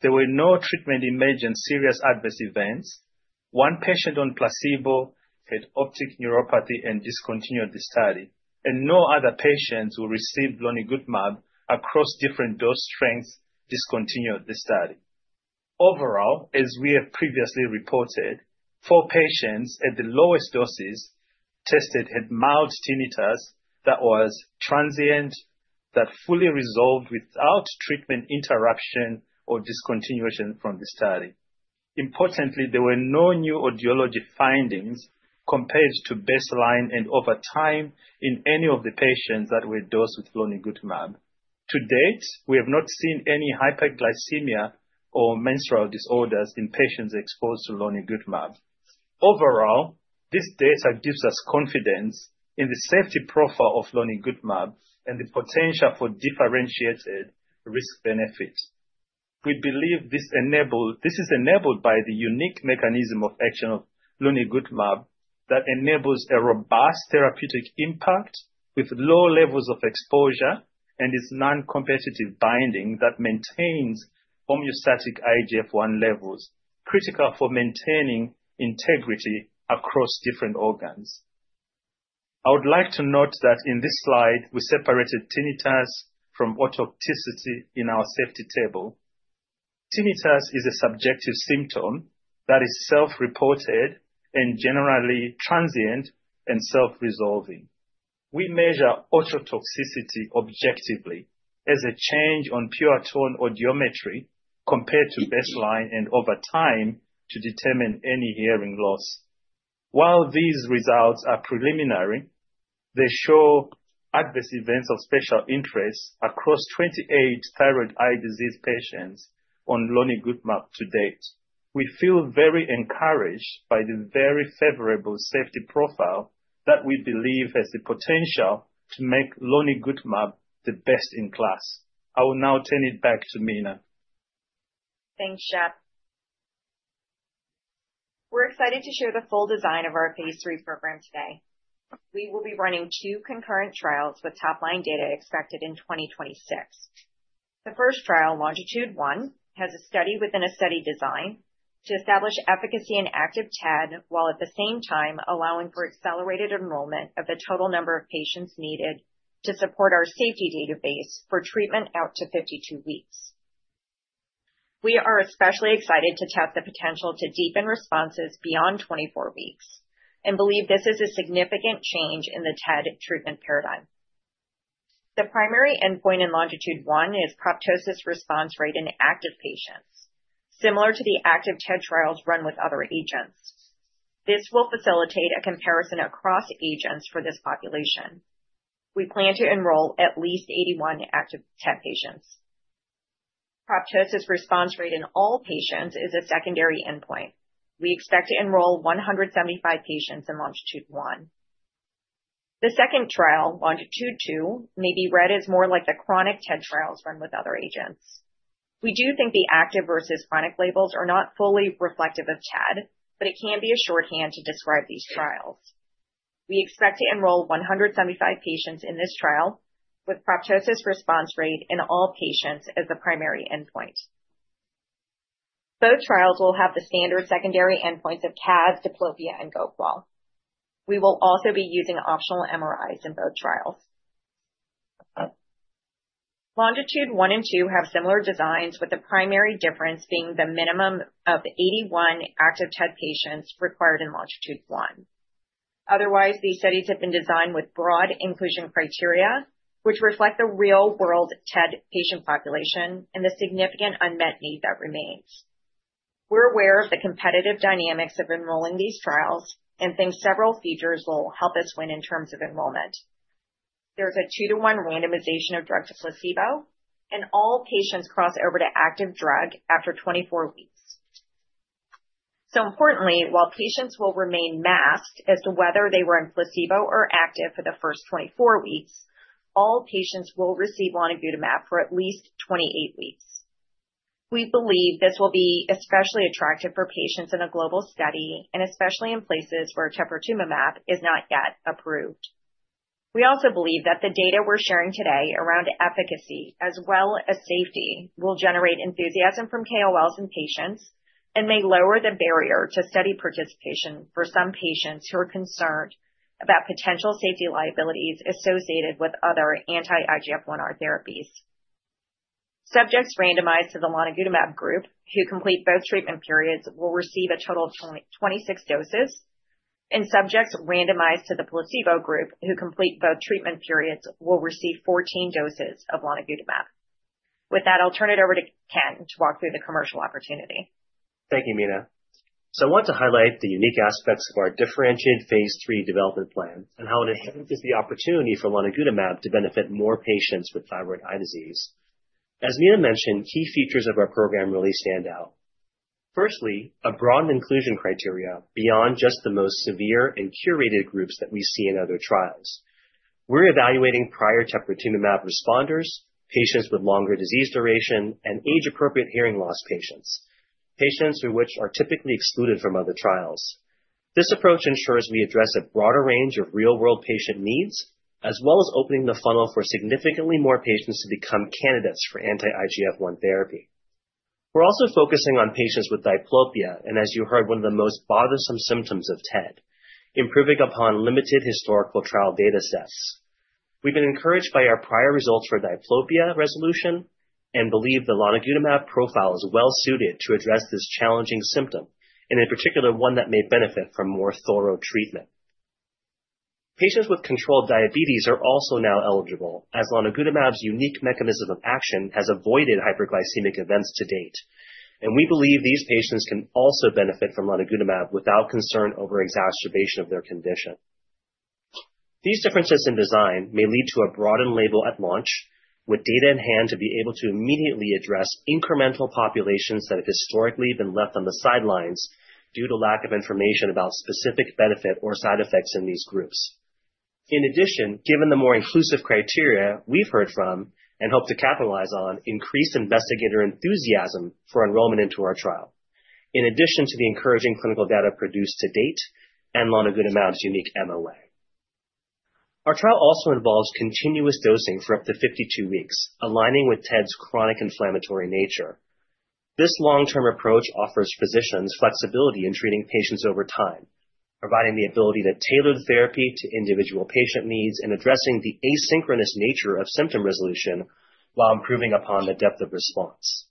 groups, there were no treatment-emergent serious adverse events. One patient on placebo had optic neuropathy and discontinued the study, and no other patients who received lonigutamab across different dose strengths discontinued the study. Overall, as we have previously reported, four patients at the lowest doses tested had mild tinnitus that was transient, that fully resolved without treatment interruption or discontinuation from the study. Importantly, there were no new audiology findings compared to baseline and over time in any of the patients that were dosed with lonigutamab. To date, we have not seen any hyperglycemia or menstrual disorders in patients exposed to lonigutamab. Overall, this data gives us confidence in the safety profile of lonigutamab and the potential for differentiated risk-benefit. We believe this is enabled by the unique mechanism of action of lonigutamab that enables a robust therapeutic impact with low levels of exposure and its non-competitive binding that maintains homeostatic IGF-1 levels critical for maintaining integrity across different organs. I would like to note that in this slide, we separated tinnitus from ototoxicity in our safety table. Tinnitus is a subjective symptom that is self-reported and generally transient and self-resolving. We measure ototoxicity objectively as a change on pure tone audiometry compared to baseline and over time to determine any hearing loss. While these results are preliminary, they show adverse events of special interest across 28 thyroid eye disease patients on lonigutamab to date. We feel very encouraged by the very favorable safety profile that we believe has the potential to make lonigutamab the best in class. I will now turn it back to Mina. Thanks, Shep. We're excited to share the full design of our Phase III program today. We will be running two concurrent trials with top-line data expected in 2026. The first trial, LONGITUDE-1, has a study within a study design to establish efficacy and active TED while at the same time allowing for accelerated enrollment of the total number of patients needed to support our safety database for treatment out to 52 weeks. We are especially excited to test the potential to deepen responses beyond 24 weeks and believe this is a significant change in the TED treatment paradigm. The primary endpoint in LONGITUDE-1 is proptosis response rate in active patients, similar to the active TED trials run with other agents. This will facilitate a comparison across agents for this population. We plan to enroll at least 81 active TED patients. Proptosis response rate in all patients is a secondary endpoint. We expect to enroll 175 patients in LONGITUDE-1. The second trial, LONGITUDE-2, may be read as more like the chronic TED trials run with other agents. We do think the active versus chronic labels are not fully reflective of TED, but it can be a shorthand to describe these trials. We expect to enroll 175 patients in this trial with proptosis response rate in all patients as the primary endpoint. Both trials will have the standard secondary endpoints of CAS, diplopia, and GO-QOL. We will also be using optional MRIs in both trials. LONGITUDE-1 and -2 have similar designs, with the primary difference being the minimum of 81 active TED patients required in LONGITUDE-1. Otherwise, these studies have been designed with broad inclusion criteria, which reflect the real-world TED patient population and the significant unmet need that remains. We're aware of the competitive dynamics of enrolling these trials and think several features will help us win in terms of enrollment. There's a two-to-one randomization of drug to placebo, and all patients cross over to active drug after 24 weeks. Importantly, while patients will remain masked as to whether they were in placebo or active for the first 24 weeks, all patients will receive lonigutamab for at least 28 weeks. We believe this will be especially attractive for patients in a global study and especially in places where teprotumumab is not yet approved. We also believe that the data we're sharing today around efficacy as well as safety will generate enthusiasm from KOLs and patients and may lower the barrier to study participation for some patients who are concerned about potential safety liabilities associated with other anti-IGF-1R therapies. Subjects randomized to the lonigutamab group who complete both treatment periods will receive a total of 26 doses, and subjects randomized to the placebo group who complete both treatment periods will receive 14 doses of lonigutamab. With that, I'll turn it over to Ken to walk through the commercial opportunity. Thank you, Mina. So I want to highlight the unique aspects of our differentiated Phase III development plan and how it enhances the opportunity for lonigutamab to benefit more patients with thyroid eye disease. As Mina mentioned, key features of our program really stand out. Firstly, a broad inclusion criteria beyond just the most severe and curated groups that we see in other trials. We're evaluating prior teprotumumab responders, patients with longer disease duration, and age-appropriate hearing loss patients, patients who are typically excluded from other trials. This approach ensures we address a broader range of real-world patient needs as well as opening the funnel for significantly more patients to become candidates for anti-IGF-1 therapy. We're also focusing on patients with diplopia and, as you heard, one of the most bothersome symptoms of TED, improving upon limited historical trial data sets. We've been encouraged by our prior results for diplopia resolution and believe the lonigutamab profile is well-suited to address this challenging symptom, and in particular, one that may benefit from more thorough treatment. Patients with controlled diabetes are also now eligible as lonigutamab's unique mechanism of action has avoided hyperglycemic events to date, and we believe these patients can also benefit from lonigutamab without concern over exacerbation of their condition. These differences in design may lead to a broadened label at launch with data in hand to be able to immediately address incremental populations that have historically been left on the sidelines due to lack of information about specific benefit or side effects in these groups. In addition, given the more inclusive criteria we've heard from and hope to capitalize on, increased investigator enthusiasm for enrollment into our trial, in addition to the encouraging clinical data produced to date and lonigutamab's unique MOA. Our trial also involves continuous dosing for up to 52 weeks, aligning with TED's chronic inflammatory nature. This long-term approach offers physicians flexibility in treating patients over time, providing the ability to tailor the therapy to individual patient needs and addressing the asynchronous nature of symptom resolution while improving upon the depth of response.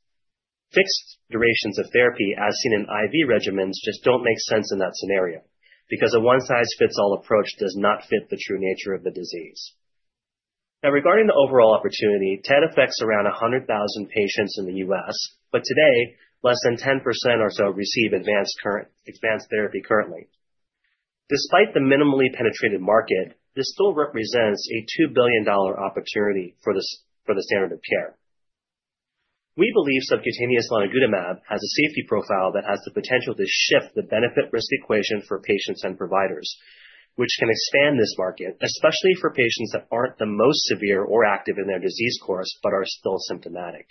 Fixed durations of therapy, as seen in IV regimens, just don't make sense in that scenario because a one-size-fits-all approach does not fit the true nature of the disease. Now, regarding the overall opportunity, TED affects around 100,000 patients in the U.S., but today, less than 10% or so receive advanced therapy currently. Despite the minimally penetrated market, this still represents a $2 billion opportunity for the standard of care. We believe subcutaneous lonigutamab has a safety profile that has the potential to shift the benefit-risk equation for patients and providers, which can expand this market, especially for patients that aren't the most severe or active in their disease course but are still symptomatic.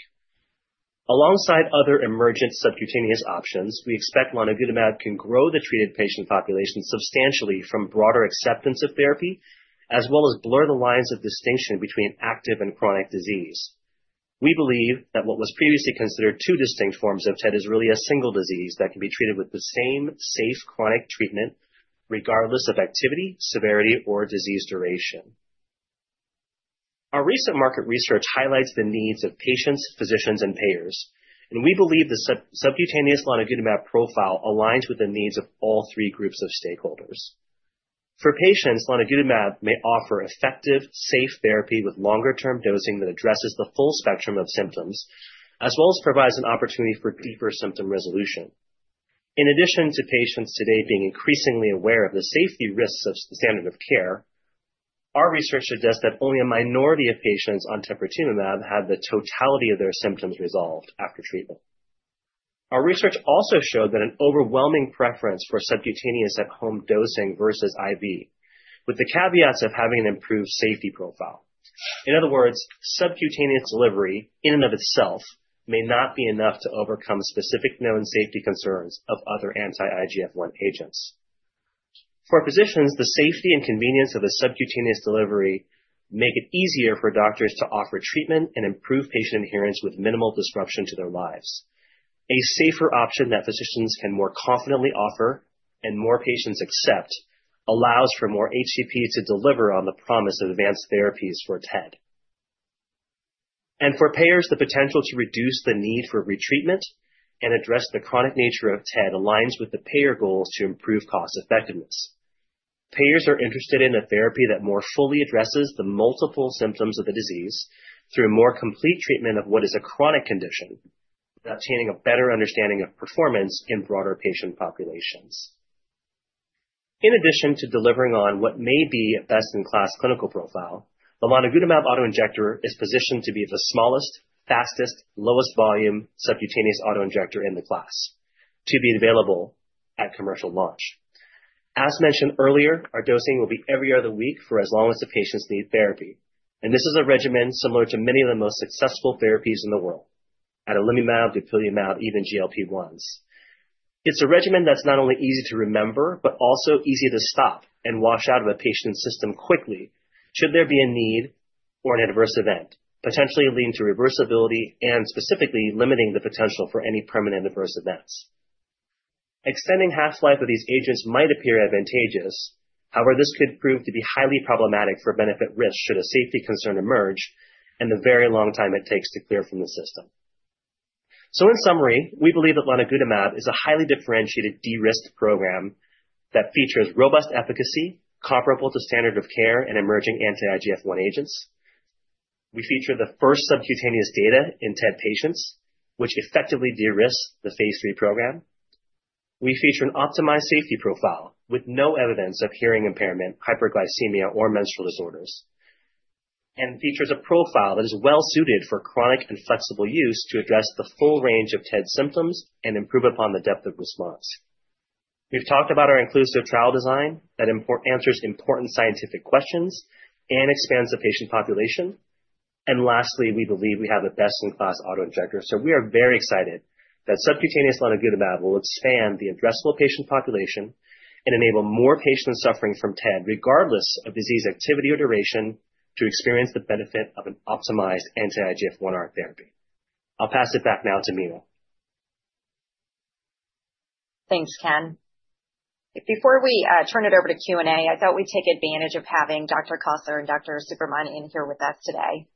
Alongside other emergent subcutaneous options, we expect lonigutamab can grow the treated patient population substantially from broader acceptance of therapy as well as blur the lines of distinction between active and chronic disease. We believe that what was previously considered two distinct forms of TED is really a single disease that can be treated with the same safe chronic treatment regardless of activity, severity, or disease duration. Our recent market research highlights the needs of patients, physicians, and payers, and we believe the subcutaneous lonigutamab profile aligns with the needs of all three groups of stakeholders. For patients, lonigutamab may offer effective, safe therapy with longer-term dosing that addresses the full spectrum of symptoms as well as provides an opportunity for deeper symptom resolution. In addition to patients today being increasingly aware of the safety risks of the standard of care, our research suggests that only a minority of patients on teprotumumab had the totality of their symptoms resolved after treatment. Our research also showed that an overwhelming preference for subcutaneous at-home dosing versus IV, with the caveats of having an improved safety profile. In other words, subcutaneous delivery in and of itself may not be enough to overcome specific known safety concerns of other anti-IGF-1R agents. For physicians, the safety and convenience of a subcutaneous delivery make it easier for doctors to offer treatment and improve patient adherence with minimal disruption to their lives. A safer option that physicians can more confidently offer and more patients accept allows for more HCP to deliver on the promise of advanced therapies for TED. For payers, the potential to reduce the need for retreatment and address the chronic nature of TED aligns with the payer goals to improve cost-effectiveness. Payers are interested in a therapy that more fully addresses the multiple symptoms of the disease through a more complete treatment of what is a chronic condition, obtaining a better understanding of performance in broader patient populations. In addition to delivering on what may be a best-in-class clinical profile, the lonigutamab autoinjector is positioned to be the smallest, fastest, lowest-volume subcutaneous autoinjector in the class to be available at commercial launch. As mentioned earlier, our dosing will be every other week for as long as the patients need therapy, and this is a regimen similar to many of the most successful therapies in the world at adalimumab, dupilumab, even GLP-1s. It's a regimen that's not only easy to remember but also easy to stop and wash out of a patient's system quickly should there be a need or an adverse event, potentially leading to reversibility and specifically limiting the potential for any permanent adverse events. Extending half-life of these agents might appear advantageous. However, this could prove to be highly problematic for benefit risk should a safety concern emerge and the very long time it takes to clear from the system. In summary, we believe that lonigutamab is a highly differentiated de-risk program that features robust efficacy comparable to standard of care and emerging anti-IGF-1 agents. We feature the first subcutaneous data in TED patients, which effectively de-risk the Phase III program. We feature an optimized safety profile with no evidence of hearing impairment, hyperglycemia, or menstrual disorders, and features a profile that is well-suited for chronic and flexible use to address the full range of TED symptoms and improve upon the depth of response. We've talked about our inclusive trial design that answers important scientific questions and expands the patient population. And lastly, we believe we have the best-in-class autoinjector, so we are very excited that subcutaneous lonigutamab will expand the addressable patient population and enable more patients suffering from TED, regardless of disease activity or duration, to experience the benefit of an optimized anti-IGF-1R therapy. I'll pass it back now to Mina. Thanks, Ken. Before we turn it over to Q&A, I thought we'd take advantage of having Dr. Kossler and Dr. Subramanian in here with us today.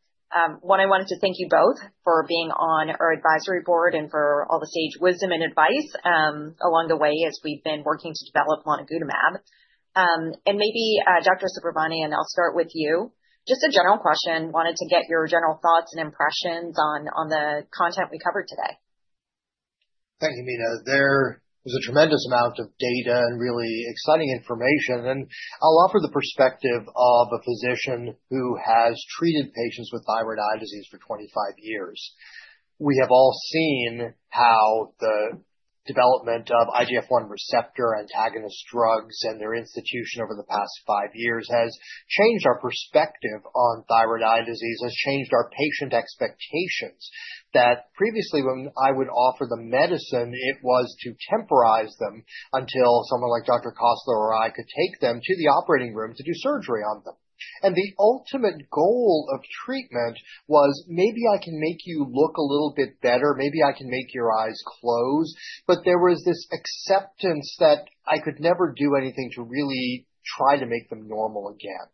One, I wanted to thank you both for being on our advisory board and for all the sage wisdom and advice along the way as we've been working to develop lonigutamab. Maybe Dr. Subramanian, I'll start with you. Just a general question. Wanted to get your general thoughts and impressions on the content we covered today. Thank you, Mina. There was a tremendous amount of data and really exciting information, and I'll offer the perspective of a physician who has treated patients with thyroid eye disease for 25 years. We have all seen how the development of IGF-1 receptor antagonist drugs and their institution over the past five years has changed our perspective on thyroid eye disease, has changed our patient expectations that previously when I would offer the medicine, it was to temporize them until someone like Dr. Kossler or I could take them to the operating room to do surgery on them. And the ultimate goal of treatment was, "Maybe I can make you look a little bit better. Maybe I can make your eyes close." But there was this acceptance that I could never do anything to really try to make them normal again.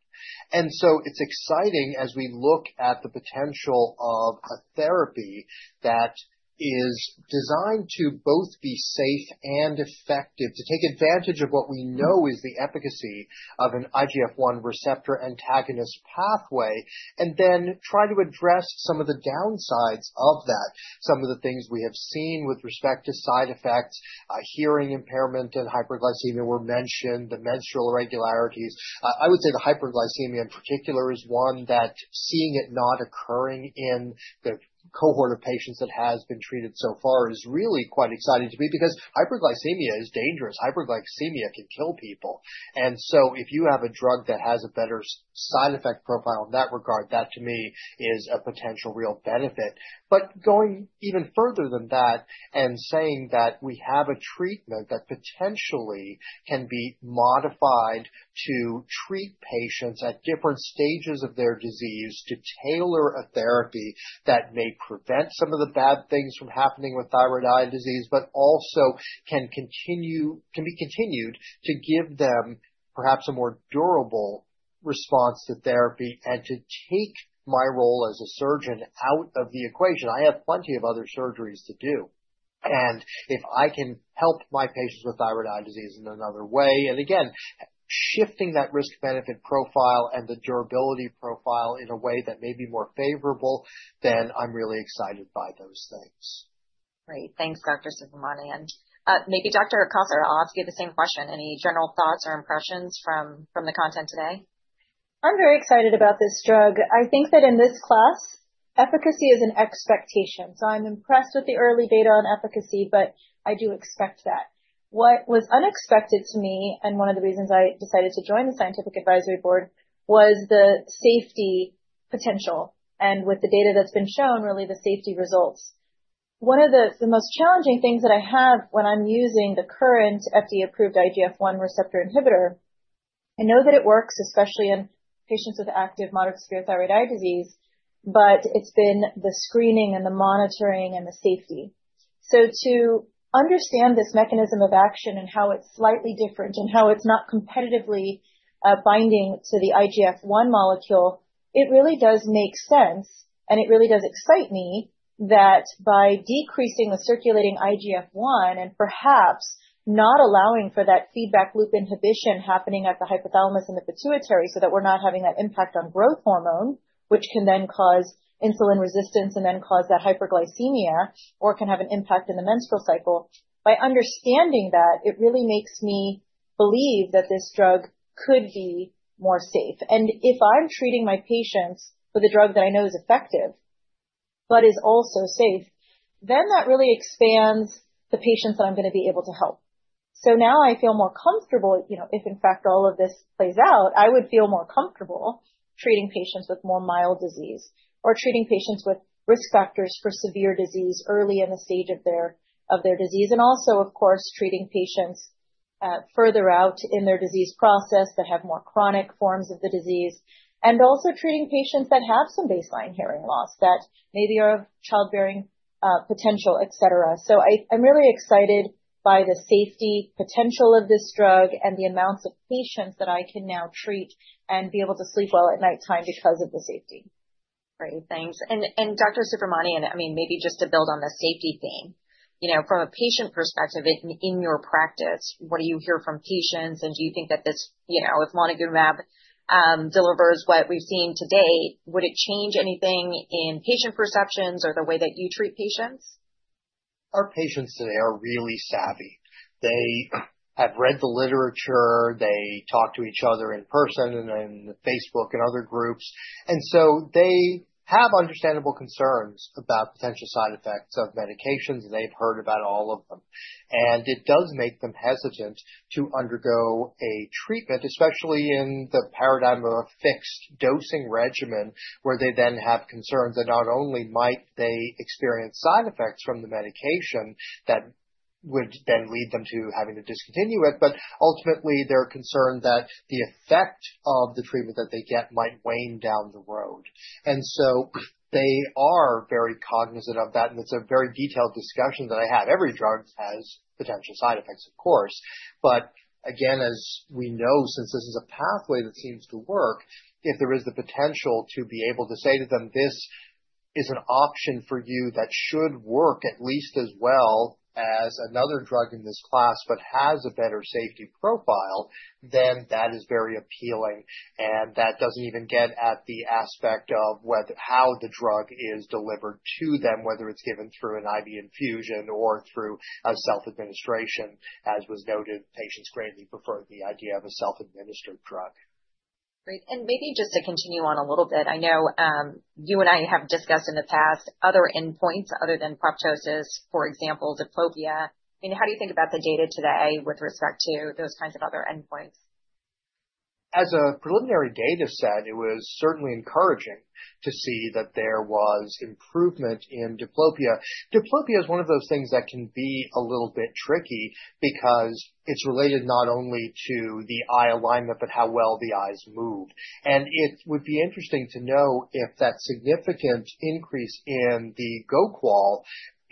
And so it's exciting as we look at the potential of a therapy that is designed to both be safe and effective, to take advantage of what we know is the efficacy of an IGF-1 receptor antagonist pathway, and then try to address some of the downsides of that. Some of the things we have seen with respect to side effects, hearing impairment, and hyperglycemia were mentioned, the menstrual irregularities. I would say the hyperglycemia in particular is one that seeing it not occurring in the cohort of patients that has been treated so far is really quite exciting to me because hyperglycemia is dangerous. Hyperglycemia can kill people. And so if you have a drug that has a better side effect profile in that regard, that to me is a potential real benefit. But going even further than that and saying that we have a treatment that potentially can be modified to treat patients at different stages of their disease to tailor a therapy that may prevent some of the bad things from happening with thyroid eye disease, but also can be continued to give them perhaps a more durable response to therapy and to take my role as a surgeon out of the equation. I have plenty of other surgeries to do, and if I can help my patients with thyroid eye disease in another way, and again, shifting that risk-benefit profile and the durability profile in a way that may be more favorable, then I'm really excited by those things. Great. Thanks, Dr. Subramanian, and maybe Dr. Kossler, I'll ask you the same question. Any general thoughts or impressions from the content today? I'm very excited about this drug. I think that in this class, efficacy is an expectation. So I'm impressed with the early data on efficacy, but I do expect that. What was unexpected to me, and one of the reasons I decided to join the scientific advisory board, was the safety potential and with the data that's been shown, really the safety results. One of the most challenging things that I have when I'm using the current FDA-approved IGF-1 receptor inhibitor, I know that it works, especially in patients with active moderate to severe thyroid eye disease, but it's been the screening and the monitoring and the safety. To understand this mechanism of action and how it's slightly different and how it's not competitively binding to the IGF-1 molecule, it really does make sense, and it really does excite me that by decreasing the circulating IGF-1 and perhaps not allowing for that feedback loop inhibition happening at the hypothalamus and the pituitary so that we're not having that impact on growth hormone, which can then cause insulin resistance and then cause that hyperglycemia or can have an impact in the menstrual cycle, by understanding that, it really makes me believe that this drug could be more safe. If I'm treating my patients with a drug that I know is effective but is also safe, then that really expands the patients that I'm going to be able to help. Now I feel more comfortable. If in fact all of this plays out, I would feel more comfortable treating patients with more mild disease or treating patients with risk factors for severe disease early in the stage of their disease, and also, of course, treating patients further out in their disease process that have more chronic forms of the disease, and also treating patients that have some baseline hearing loss that maybe are of childbearing potential, etc. So I'm really excited by the safety potential of this drug and the amounts of patients that I can now treat and be able to sleep well at nighttime because of the safety. Great. Thanks, and Dr. Subramanian, I mean, maybe just to build on the safety theme, from a patient perspective in your practice, what do you hear from patients? And do you think that if lonigutamab delivers what we've seen today, would it change anything in patient perceptions or the way that you treat patients? Our patients today are really savvy. They have read the literature. They talk to each other in person and on Facebook and other groups. And so they have understandable concerns about potential side effects of medications. They've heard about all of them. And it does make them hesitant to undergo a treatment, especially in the paradigm of a fixed dosing regimen where they then have concerns that not only might they experience side effects from the medication that would then lead them to having to discontinue it, but ultimately, they're concerned that the effect of the treatment that they get might wane down the road. And so they are very cognizant of that. And it's a very detailed discussion that I have. Every drug has potential side effects, of course. But again, as we know, since this is a pathway that seems to work, if there is the potential to be able to say to them, "This is an option for you that should work at least as well as another drug in this class but has a better safety profile," then that is very appealing. And that doesn't even get at the aspect of how the drug is delivered to them, whether it's given through an IV infusion or through a self-administration. As was noted, patients greatly prefer the idea of a self-administered drug. Great. And maybe just to continue on a little bit, I know you and I have discussed in the past other endpoints other than proptosis, for example, diplopia. I mean, how do you think about the data today with respect to those kinds of other endpoints? As a preliminary data set, it was certainly encouraging to see that there was improvement in diplopia. Diplopia is one of those things that can be a little bit tricky because it's related not only to the eye alignment but how well the eyes move, and it would be interesting to know if that significant increase in the GO-QOL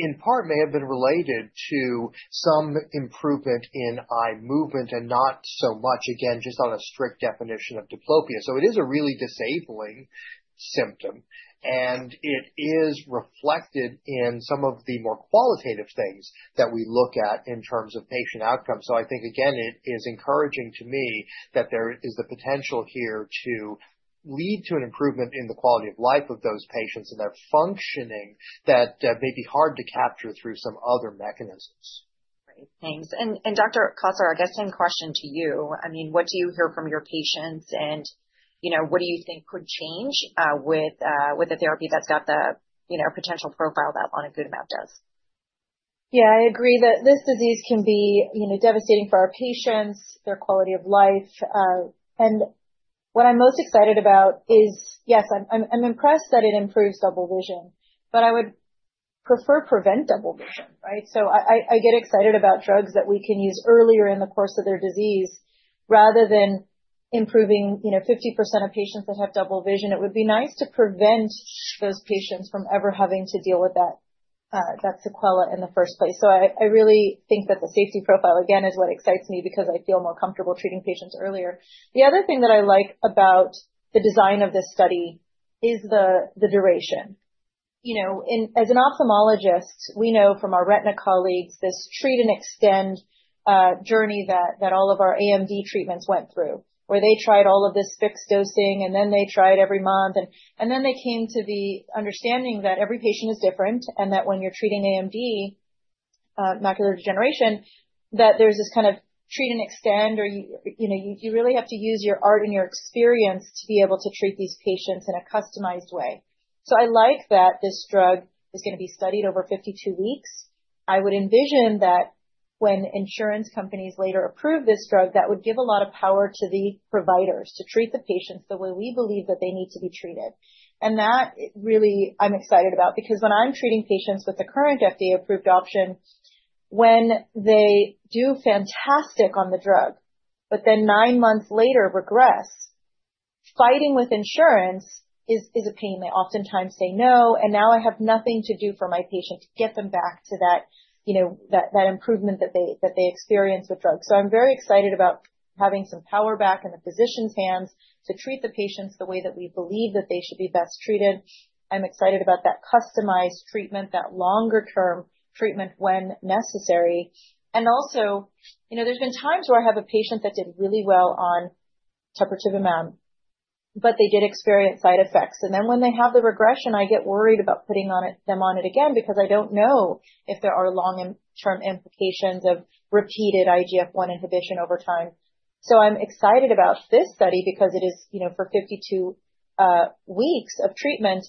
in part may have been related to some improvement in eye movement and not so much, again, just on a strict definition of diplopia, so it is a really disabling symptom, and it is reflected in some of the more qualitative things that we look at in terms of patient outcomes. I think, again, it is encouraging to me that there is the potential here to lead to an improvement in the quality of life of those patients and their functioning that may be hard to capture through some other mechanisms. Great. Thanks. And Dr. Kossler, I guess same question to you. I mean, what do you hear from your patients, and what do you think could change with a therapy that's got the potential profile that lonigutamab does? Yeah, I agree that this disease can be devastating for our patients, their quality of life. And what I'm most excited about is, yes, I'm impressed that it improves double vision, but I would prefer prevent double vision, right? I get excited about drugs that we can use earlier in the course of their disease rather than improving 50% of patients that have double vision. It would be nice to prevent those patients from ever having to deal with that sequela in the first place. So I really think that the safety profile, again, is what excites me because I feel more comfortable treating patients earlier. The other thing that I like about the design of this study is the duration. As an ophthalmologist, we know from our retina colleagues this treat and extend journey that all of our AMD treatments went through, where they tried all of this fixed dosing, and then they tried every month, and then they came to the understanding that every patient is different and that when you're treating AMD, macular degeneration, that there's this kind of treat and extend, or you really have to use your art and your experience to be able to treat these patients in a customized way. I like that this drug is going to be studied over 52 weeks. I would envision that when insurance companies later approve this drug, that would give a lot of power to the providers to treat the patients the way we believe that they need to be treated. And that really I'm excited about because when I'm treating patients with the current FDA-approved option, when they do fantastic on the drug but then nine months later regress, fighting with insurance is a pain. They oftentimes say no, and now I have nothing to do for my patient to get them back to that improvement that they experience with drugs. So I'm very excited about having some power back in the physician's hands to treat the patients the way that we believe that they should be best treated. I'm excited about that customized treatment, that longer-term treatment when necessary. And also, there's been times where I have a patient that did really well on teprotumumab, but they did experience side effects. And then when they have the regression, I get worried about putting them on it again because I don't know if there are long-term implications of repeated IGF-1 inhibition over time. So I'm excited about this study because it is for 52 weeks of treatment.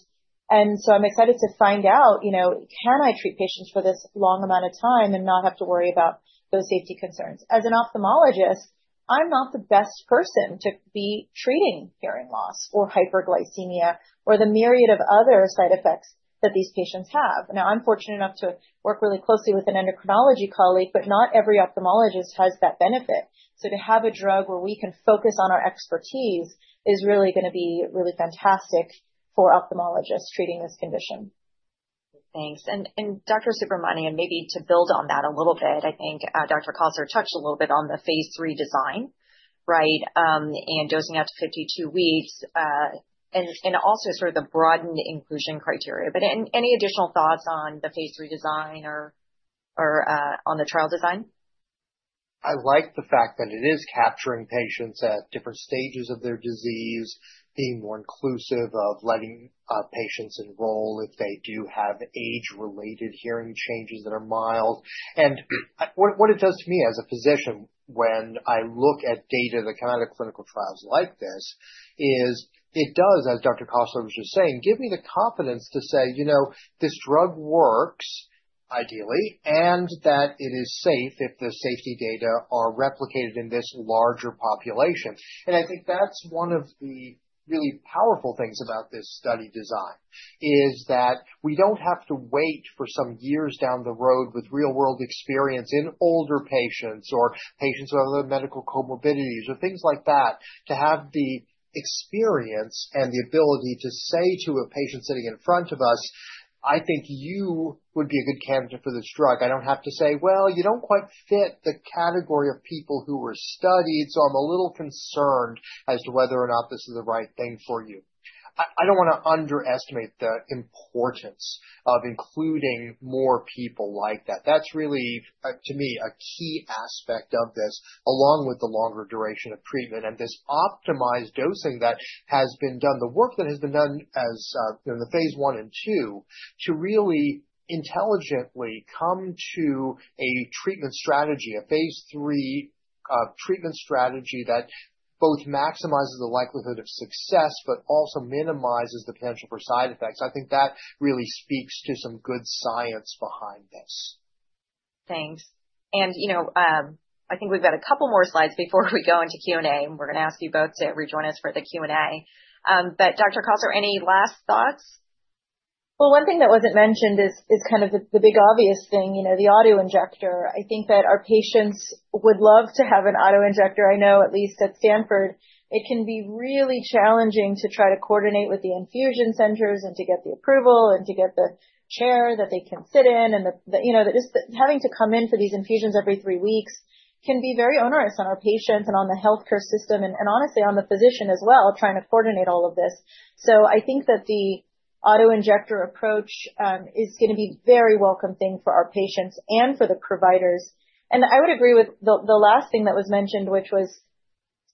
And so I'm excited to find out, can I treat patients for this long amount of time and not have to worry about those safety concerns? As an ophthalmologist, I'm not the best person to be treating hearing loss or hyperglycemia or the myriad of other side effects that these patients have. Now, I'm fortunate enough to work really closely with an endocrinology colleague, but not every ophthalmologist has that benefit. So to have a drug where we can focus on our expertise is really going to be really fantastic for ophthalmologists treating this condition. Thanks. And Dr. Subramanian, and maybe to build on that a little bit, I think Dr. Kossler touched a little bit on the Phase III design, right, and dosing out to 52 weeks and also sort of the broadened inclusion criteria. But any additional thoughts on the Phase III design or on the trial design? I like the fact that it is capturing patients at different stages of their disease, being more inclusive of letting patients enroll if they do have age-related hearing changes that are mild. And what it does to me as a physician when I look at data that come out of clinical trials like this is it does, as Dr. Kossler was just saying, give me the confidence to say, "This drug works ideally," and that it is safe if the safety data are replicated in this larger population, and I think that's one of the really powerful things about this study design is that we don't have to wait for some years down the road with real-world experience in older patients or patients with other medical comorbidities or things like that to have the experience and the ability to say to a patient sitting in front of us, "I think you would be a good candidate for this drug." I don't have to say, "Well, you don't quite fit the category of people who were studied, so I'm a little concerned as to whether or not this is the right thing for you." I don't want to underestimate the importance of including more people like that. That's really, to me, a key aspect of this along with the longer duration of treatment and this optimized dosing that has been done, the work that has been done in the phase one and two to really intelligently come to a treatment strategy, a Phase III treatment strategy that both maximizes the likelihood of success but also minimizes the potential for side effects. I think that really speaks to some good science behind this. Thanks. And I think we've got a couple more slides before we go into Q&A, and we're going to ask you both to rejoin us for the Q&A. But Dr. Kossler, any last thoughts? Well, one thing that wasn't mentioned is kind of the big obvious thing, the autoinjector. I think that our patients would love to have an autoinjector. I know at least at Stanford, it can be really challenging to try to coordinate with the infusion centers and to get the approval and to get the chair that they can sit in, and just having to come in for these infusions every three weeks can be very onerous on our patients and on the healthcare system and honestly on the physician as well trying to coordinate all of this, so I think that the autoinjector approach is going to be a very welcome thing for our patients and for the providers, and I would agree with the last thing that was mentioned, which was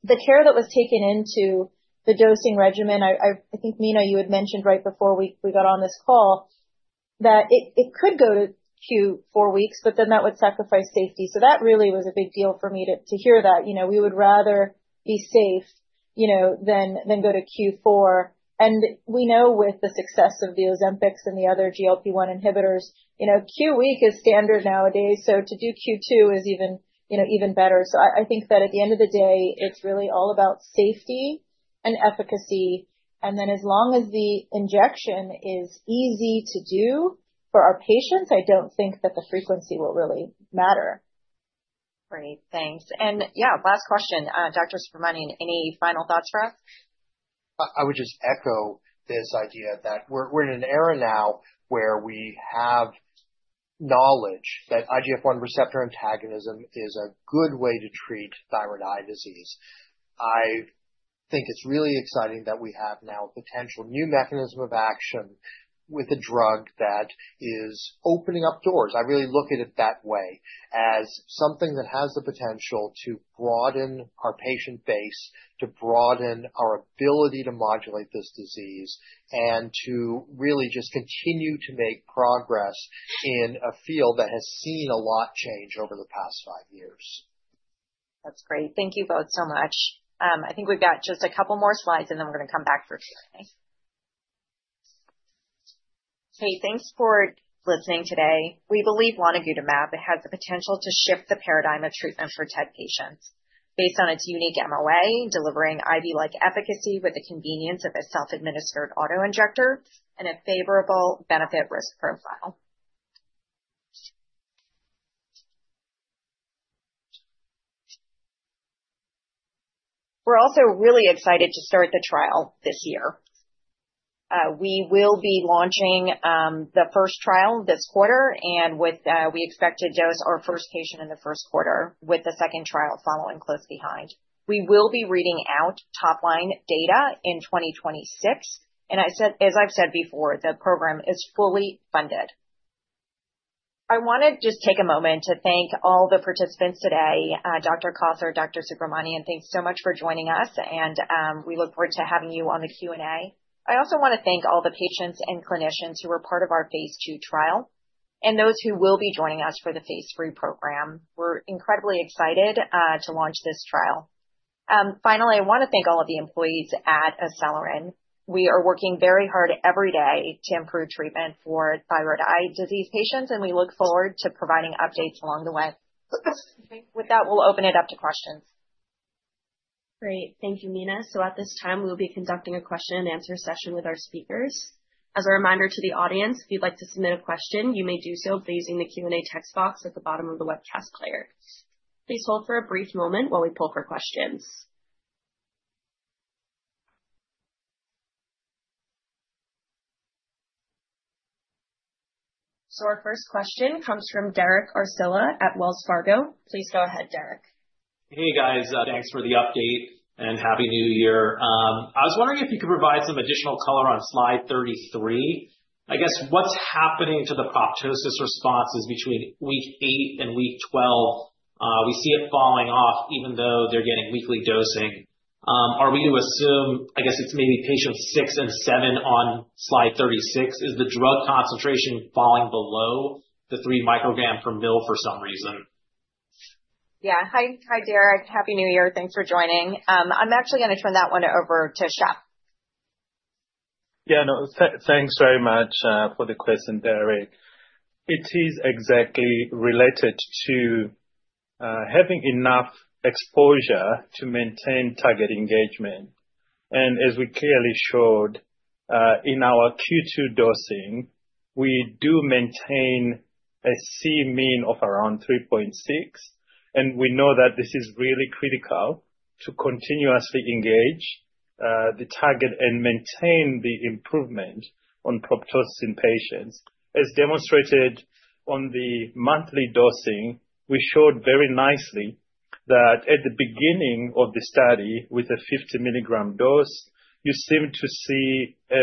the care that was taken into the dosing regimen. I think, Mina, you had mentioned right before we got on this call that it could go to Q4 weeks, but then that would sacrifice safety. So that really was a big deal for me to hear that. We would rather be safe than go to Q4. And we know with the success of the Ozempic and the other GLP-1 inhibitors, Q week is standard nowadays. So to do Q2 is even better. So I think that at the end of the day, it's really all about safety and efficacy. And then as long as the injection is easy to do for our patients, I don't think that the frequency will really matter. Great. Thanks. And yeah, last question, Dr. Subramanian, any final thoughts for us? I would just echo this idea that we're in an era now where we have knowledge that IGF-1 receptor antagonism is a good way to treat thyroid eye disease. I think it's really exciting that we have now a potential new mechanism of action with a drug that is opening up doors. I really look at it that way as something that has the potential to broaden our patient base, to broaden our ability to modulate this disease, and to really just continue to make progress in a field that has seen a lot change over the past five years. That's great. Thank you both so much. I think we've got just a couple more slides, and then we're going to come back for Q&A. Hey, thanks for listening today. We believe lonigutamab has the potential to shift the paradigm of treatment for TED patients based on its unique MOA, delivering IV-like efficacy with the convenience of a self-administered autoinjector and a favorable benefit-risk profile. We're also really excited to start the trial this year. We will be launching the first trial this quarter, and we expect to dose our first patient in the first quarter with the second trial following close behind. We will be reading out top-line data in 2026. And as I've said before, the program is fully funded. I want to just take a moment to thank all the participants today, Dr. Kossler, Dr. Subramanian, and thanks so much for joining us. And we look forward to having you on the Q&A. I also want to thank all the patients and clinicians who were part of our Phase II trial and those who will be joining us for the Phase III program. We're incredibly excited to launch this trial. Finally, I want to thank all of the employees at ACELYRIN. We are working very hard every day to improve treatment for thyroid eye disease patients, and we look forward to providing updates along the way. With that, we'll open it up to questions. Great. Thank you, Mina. So at this time, we will be conducting a question-and-answer session with our speakers. As a reminder to the audience, if you'd like to submit a question, you may do so by using the Q&A text box at the bottom of the webcast player. Please hold for a brief moment while we pull for questions. So our first question comes from Derek Archila at Wells Fargo. Please go ahead, Derek. Hey, guys. Thanks for the update and happy New Year. I was wondering if you could provide some additional color on Slide 33. I guess what's happening to the proptosis responses between week 8 and week 12? We see it falling off even though they're getting weekly dosing. Are we to assume, I guess it's maybe patients six and seven on Slide 36? Is the drug concentration falling below the 3 micrograms per mL for some reason? Yeah. Hi, Derek. Happy New Year. Thanks for joining. I'm actually going to turn that one over to Shep. Yeah, no, thanks very much for the question, Derek. It is exactly related to having enough exposure to maintain target engagement. And as we clearly showed in our Q2 dosing, we do maintain a Cmin of around 3.6. And we know that this is really critical to continuously engage the target and maintain the improvement on proptosis in patients. As demonstrated on the monthly dosing, we showed very nicely that at the beginning of the study with a 50 mg dose, you seem to see a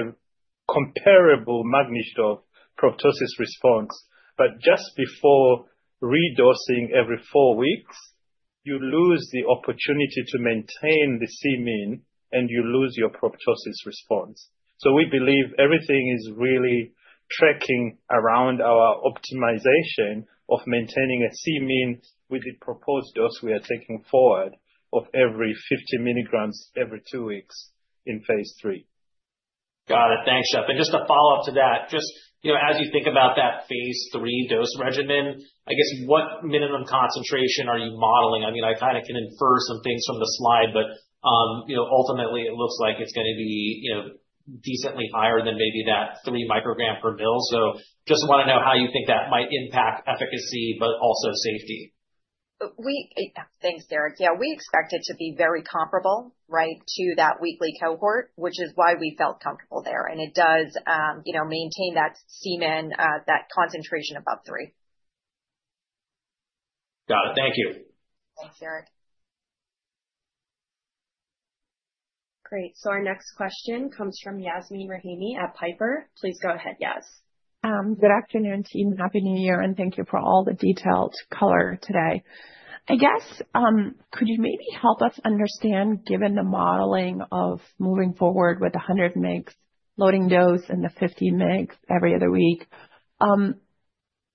comparable magnitude of proptosis response. But just before redosing every four weeks, you lose the opportunity to maintain the Cmin, and you lose your proptosis response. So we believe everything is really tracking around our optimization of maintaining a Cmin with the proposed dose we are taking forward of 50 mg every two weeks in Phase III. Got it. Thanks, Shep. And just to follow up to that, just as you think about that Phase III dose regimen, I guess what minimum concentration are you modeling? I mean, I kind of can infer some things from the slide, but ultimately, it looks like it's going to be decently higher than maybe that 3 micrograms per mL. So just want to know how you think that might impact efficacy, but also safety. Thanks, Derek. Yeah, we expect it to be very comparable, right, to that weekly cohort, which is why we felt comfortable there. And it does maintain that Cmin, that concentration above three. Got it. Thank you. Thanks, Derek. Great. So our next question comes from Yasmeen Rahimi at Piper. Please go ahead, Yas. Good afternoon, team. Happy New Year, and thank you for all the detailed color today. I guess could you maybe help us understand, given the modeling of moving forward with the 100 mg loading dose and the 50 mg every other week,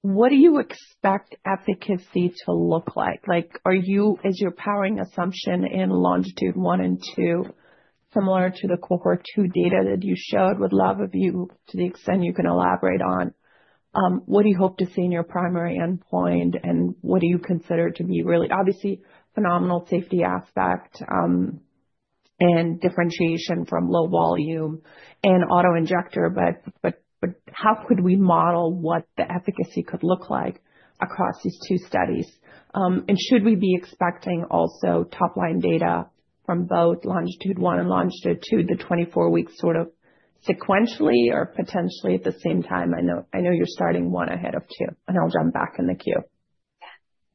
what do you expect efficacy to look like? Is your powering assumption in LONGITUDE-1 and -2 similar to the cohort two data that you showed? I'd love for you, to the extent you can elaborate on, what do you hope to see in your primary endpoint, and what do you consider to be really obvious, phenomenal safety aspect and differentiation from low-volume and autoinjector? But how could we model what the efficacy could look like across these two studies? And should we be expecting also top-line data from both LONGITUDE-1 and LONGITUDE-2, the 24-week sort of sequentially or potentially at the same time? I know you're starting one ahead of two, and I'll jump back in the queue.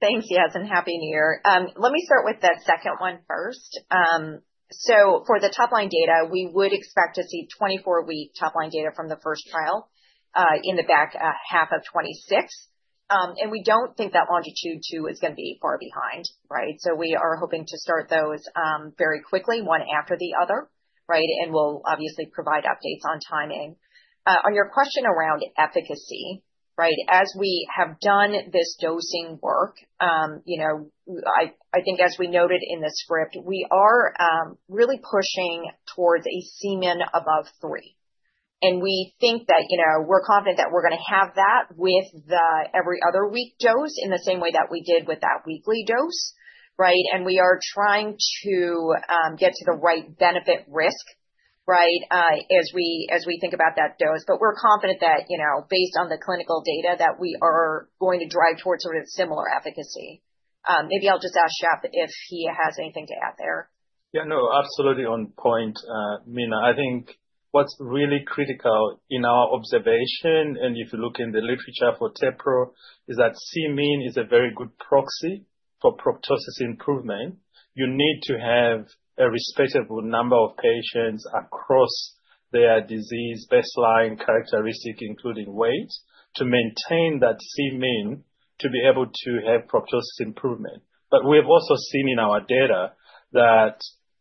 Thanks, Yas, and happy New Year. Let me start with the second one first. So for the top-line data, we would expect to see 24-week top-line data from the first trial in the back half of 2026. And we don't think that LONGITUDE-2 is going to be far behind, right? We are hoping to start those very quickly, one after the other, right? And we'll obviously provide updates on timing. On your question around efficacy, right, as we have done this dosing work, I think as we noted in the script, we are really pushing towards a Cmin above three. And we think that we're confident that we're going to have that with the every other week dose in the same way that we did with that weekly dose, right? And we are trying to get to the right benefit-risk, right, as we think about that dose. But we're confident that based on the clinical data that we are going to drive towards sort of similar efficacy. Maybe I'll just ask Shep if he has anything to add there. Yeah, no, absolutely on point, Mina. I think what's really critical in our observation, and if you look in the literature for tepro, is that Cmin is a very good proxy for proptosis improvement. You need to have a respectable number of patients across their disease baseline characteristic, including weight, to maintain that Cmin to be able to have proptosis improvement. But we have also seen in our data that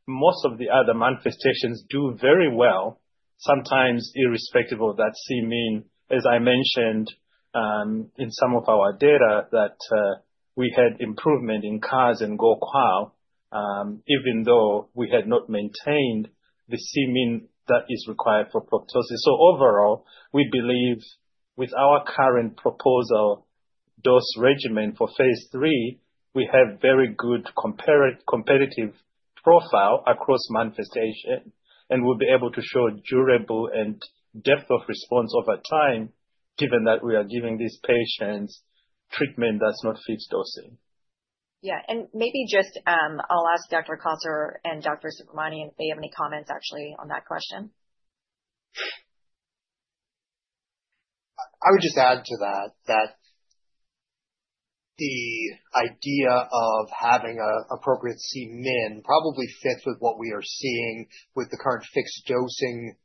most of the other manifestations do very well, sometimes irrespective of that Cmin. As I mentioned in some of our data, that we had improvement in CAS and GO-QOL, even though we had not maintained the Cmin that is required for proptosis. Overall, we believe with our current proposed dose regimen for Phase III, we have a very good competitive profile across manifestations and will be able to show durable and depth of response over time, given that we are giving these patients treatment that's not fixed dosing. Yeah. And maybe just I'll ask Dr. Kossler and Dr. Subramanian if they have any comments actually on that question. I would just add to that that the idea of having an appropriate Cmin probably fits with what we are seeing with the current fixed dosing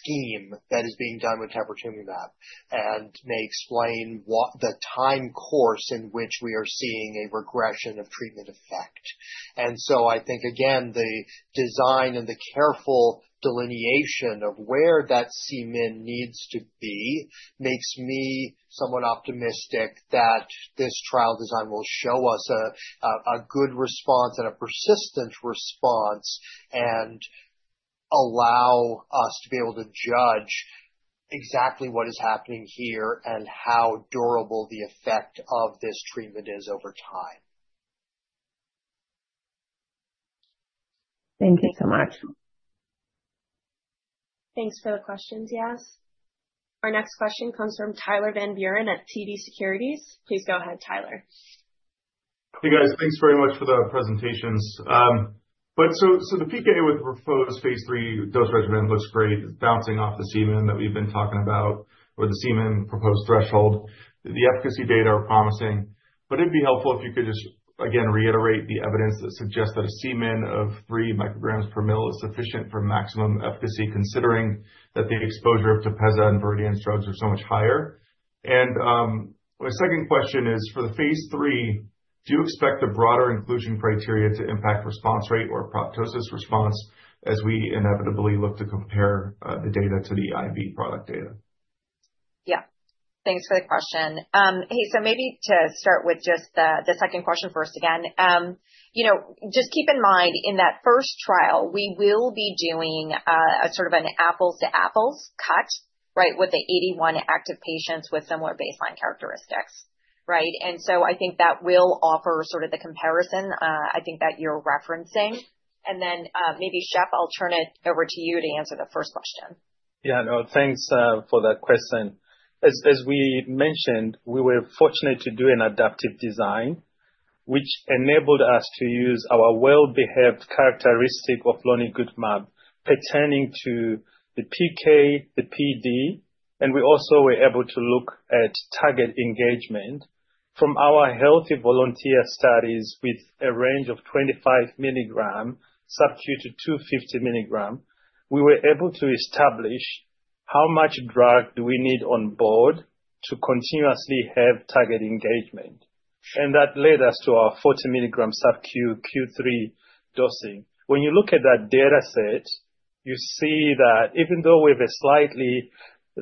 scheme that is being done with teprotumumab and may explain the time course in which we are seeing a regression of treatment effect. And so I think, again, the design and the careful delineation of where that Cmin needs to be makes me somewhat optimistic that this trial design will show us a good response and a persistent response and allow us to be able to judge exactly what is happening here and how durable the effect of this treatment is over time. Thank you so much. Thanks for the questions, Yas. Our next question comes from Tyler Van Buren at TD Securities. Please go ahead, Tyler. Hey, guys. Thanks very much for the presentations. But so the PKA with proposed Phase III dose regimen looks great. It's bouncing off the Cmin that we've been talking about or the Cmin proposed threshold. The efficacy data are promising. But it'd be helpful if you could just, again, reiterate the evidence that suggests that a Cmin of 3 micrograms per mL is sufficient for maximum efficacy, considering that the exposure of TEPEZZA and Viridian's drugs are so much higher. And my second question is, for the Phase III, do you expect the broader inclusion criteria to impact response rate or proptosis response as we inevitably look to compare the data to the IV product data? Yeah. Thanks for the question. Hey, so maybe to start with just the second question first again, just keep in mind in that first trial, we will be doing sort of an apples-to-apples cut, right, with the 81 active patients with similar baseline characteristics, right? And so I think that will offer sort of the comparison I think that you're referencing. Then maybe, Shep, I'll turn it over to you to answer the first question. Yeah, no, thanks for that question. As we mentioned, we were fortunate to do an adaptive design, which enabled us to use our well-behaved characteristic of lonigutamab patterning to the PK, the PD. We also were able to look at target engagement. From our healthy volunteer studies with a range of 25 milligrams subcut to 250 mg, we were able to establish how much drug do we need on board to continuously have target engagement. That led us to our 40 mg subcut Q3 dosing. When you look at that dataset, you see that even though we have a slightly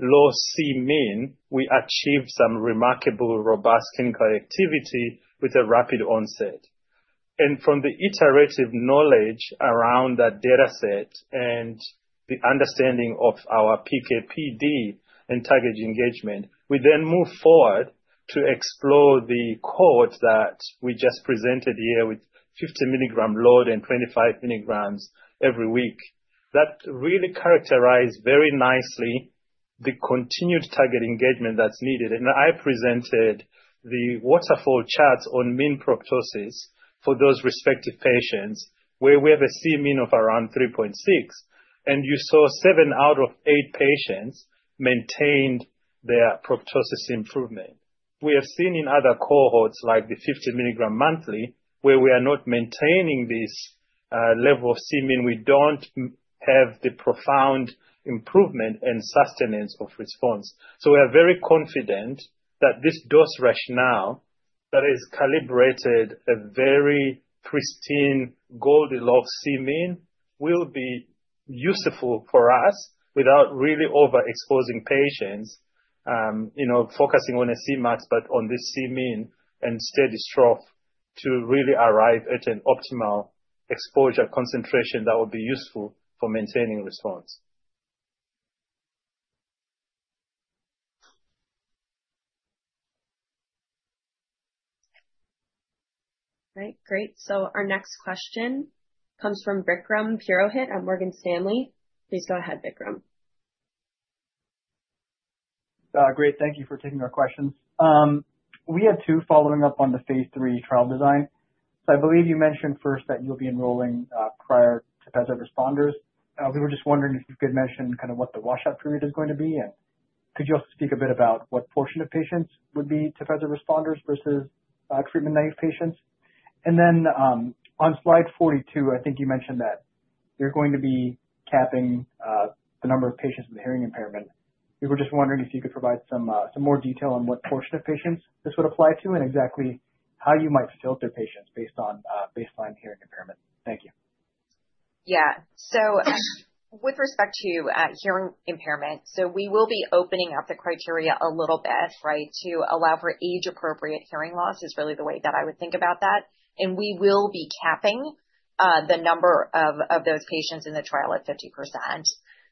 low Cmin, we achieved some remarkable robust clinical activity with a rapid onset. From the iterative knowledge around that dataset and the understanding of our PK, PD, and target engagement, we then move forward to explore the cohort that we just presented here with 50 mg load and 25 mg every week. That really characterized very nicely the continued target engagement that's needed. I presented the waterfall charts on mean proptosis for those respective patients where we have a Cmin of around 3.6. You saw seven out of eight patients maintained their proptosis improvement. We have seen in other cohorts like the 50 mg monthly where we are not maintaining this level of Cmin, we don't have the profound improvement and sustenance of response. So we are very confident that this dose rationale that is calibrated a very pristine goldilocks Cmin will be useful for us without really overexposing patients, focusing on a Cmax, but on this Cmin and steady state to really arrive at an optimal exposure concentration that will be useful for maintaining response. All right. Great. So our next question comes from Vikram Purohit at Morgan Stanley. Please go ahead, Vikram. Great. Thank you for taking our questions. We had two following up on the Phase III trial design. So I believe you mentioned first that you'll be enrolling prior TEPEZZA responders. We were just wondering if you could mention kind of what the washout period is going to be. And could you also speak a bit about what portion of patients would be TEPEZZA responders versus treatment naive patients? And then on Slide 42, I think you mentioned that you're going to be capping the number of patients with hearing impairment. We were just wondering if you could provide some more detail on what portion of patients this would apply to and exactly how you might filter patients based on baseline hearing impairment? Thank you. Yeah. So with respect to hearing impairment, so we will be opening up the criteria a little bit, right, to allow for age-appropriate hearing loss is really the way that I would think about that. And we will be capping the number of those patients in the trial at 50%.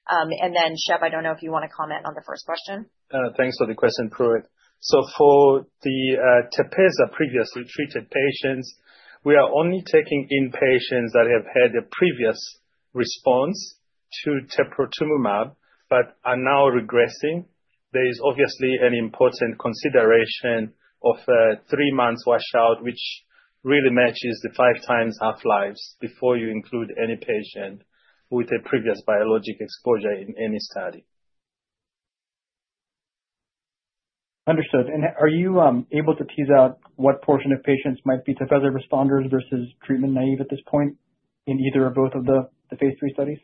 And then, Shep, I don't know if you want to comment on the first question? Thanks for the question, Purohit. So for the TEPEZZA previously treated patients, we are only taking in patients that have had a previous response to teprotumumab, but are now regressing. There is obviously an important consideration of a three-month washout, which really matches the five times half-lives before you include any patient with a previous biologic exposure in any study. Understood. And are you able to tease out what portion of patients might be TEPEZZA responders versus treatment naive at this point in either or both of the Phase III studies?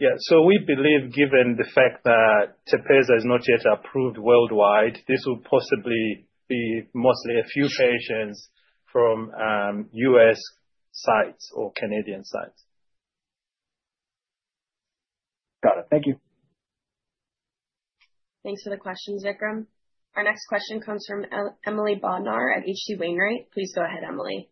Yeah. So we believe given the fact that TEPEZZA is not yet approved worldwide, this will possibly be mostly a few patients from U.S. sites or Canadian sites. Got it. Thank you. Thanks for the questions, Vikram. Our next question comes from Emily Bodnar at H.C. Wainwright. Please go ahead, Emily.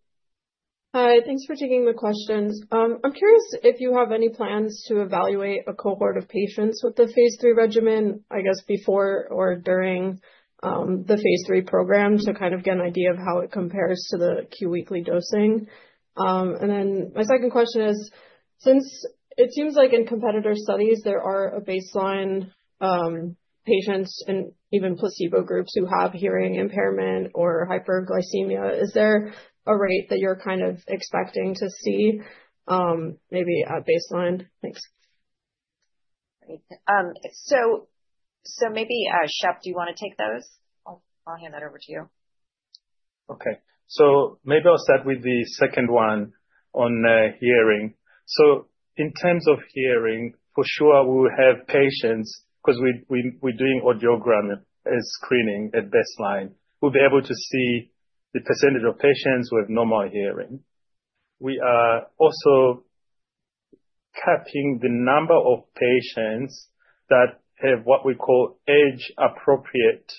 Hi. Thanks for taking the questions. I'm curious if you have any plans to evaluate a cohort of patients with the Phase III regimen, I guess, before or during the Phase III program to kind of get an idea of how it compares to the Q weekly dosing? And then my second question is, since it seems like in competitor studies, there are baseline patients and even placebo groups who have hearing impairment or hyperglycemia, is there a rate that you're kind of expecting to see maybe at baseline? Thanks. Great. So maybe, Shephard, do you want to take those? I'll hand that over to you. Okay. So maybe I'll start with the second one on hearing. So in terms of hearing, for sure, we will have patients because we're doing audiogram screening at baseline. We'll be able to see the percentage of patients with normal hearing. We are also capping the number of patients that have what we call age-appropriate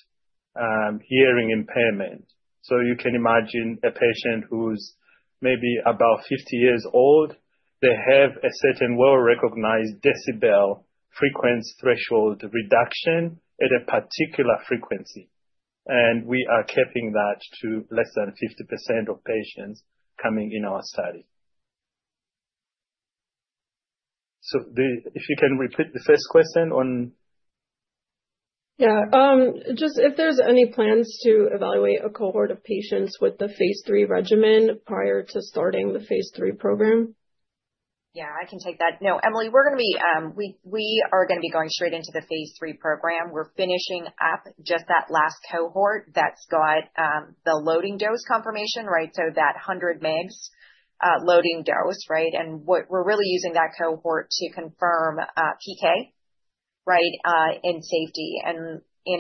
hearing impairment. So you can imagine a patient who's maybe about 50 years old, they have a certain well-recognized decibel frequency threshold reduction at a particular frequency. And we are capping that to less than 50% of patients coming in our study. So if you can repeat the first question on. Yeah. Just if there's any plans to evaluate a cohort of patients with the Phase III regimen prior to starting the Phase III program. Yeah, I can take that. No, Emily, we're going to be going straight into the Phase III program. We're finishing up just that last cohort that's got the loading dose confirmation, right, so that 100 mg loading dose, right? And we're really using that cohort to confirm PK, right, and safety.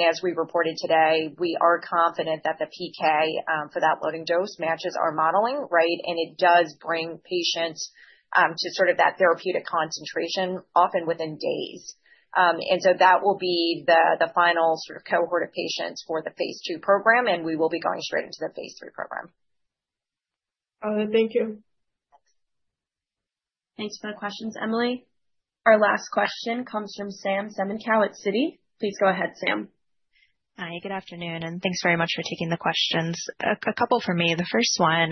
As we reported today, we are confident that the PK for that loading dose matches our modeling, right? It does bring patients to sort of that therapeutic concentration, often within days. So that will be the final sort of cohort of patients for the Phase II program, and we will be going straight into the Phase III program. Thank you. Thanks. Thanks for the questions, Emily. Our last question comes from Sam Semenkow at Citi. Please go ahead, Sam. Hi. Good afternoon. And thanks very much for taking the questions. A couple for me. The first one,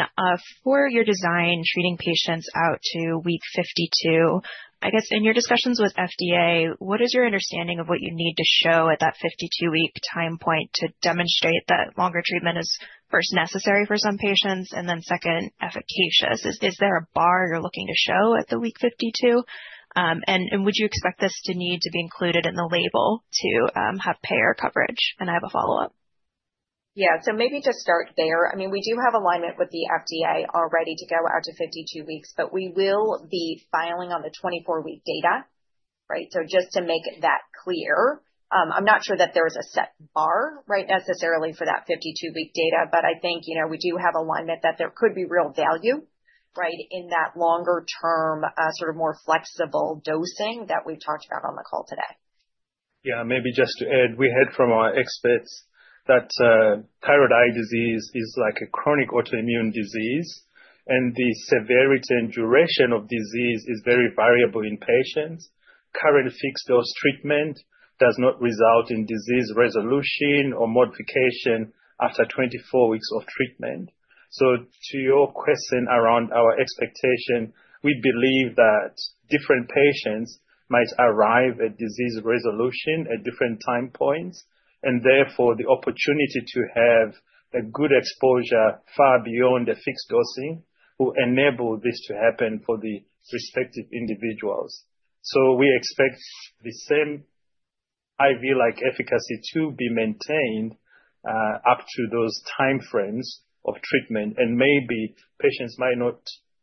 for your design treating patients out to week 52, I guess in your discussions with FDA, what is your understanding of what you need to show at that 52-week time point to demonstrate that longer treatment is first necessary for some patients and then second, efficacious? Is there a bar you're looking to show at the week 52? And would you expect this to need to be included in the label to have payer coverage? And I have a follow-up. Yeah. So maybe to start there, I mean, we do have alignment with the FDA already to go out to 52 weeks, but we will be filing on the 24-week data, right? So just to make that clear, I'm not sure that there is a set bar, right, necessarily for that 52-week data, but I think we do have alignment that there could be real value, right, in that longer-term sort of more flexible dosing that we've talked about on the call today. Yeah. Maybe just to add, we heard from our experts that thyroid eye disease is like a chronic autoimmune disease, and the severity and duration of disease is very variable in patients. Current fixed dose treatment does not result in disease resolution or modification after 24 weeks of treatment. So to your question around our expectation, we believe that different patients might arrive at disease resolution at different time points, and therefore the opportunity to have a good exposure far beyond the fixed dosing will enable this to happen for the respective individuals. So we expect the same IV-like efficacy to be maintained up to those time frames of treatment, and maybe patients might not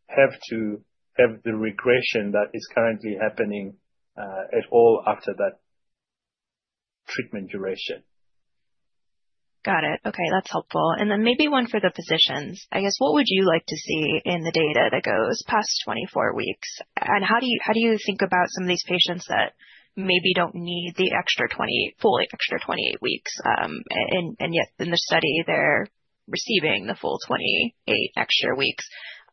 have to have the regression that is currently happening at all after that treatment duration. Got it. Okay. That's helpful. And then maybe one for the physicians. I guess, what would you like to see in the data that goes past 24 weeks? And how do you think about some of these patients that maybe don't need the extra 20, full extra 28 weeks? Yet in the study, they're receiving the full 28 extra weeks.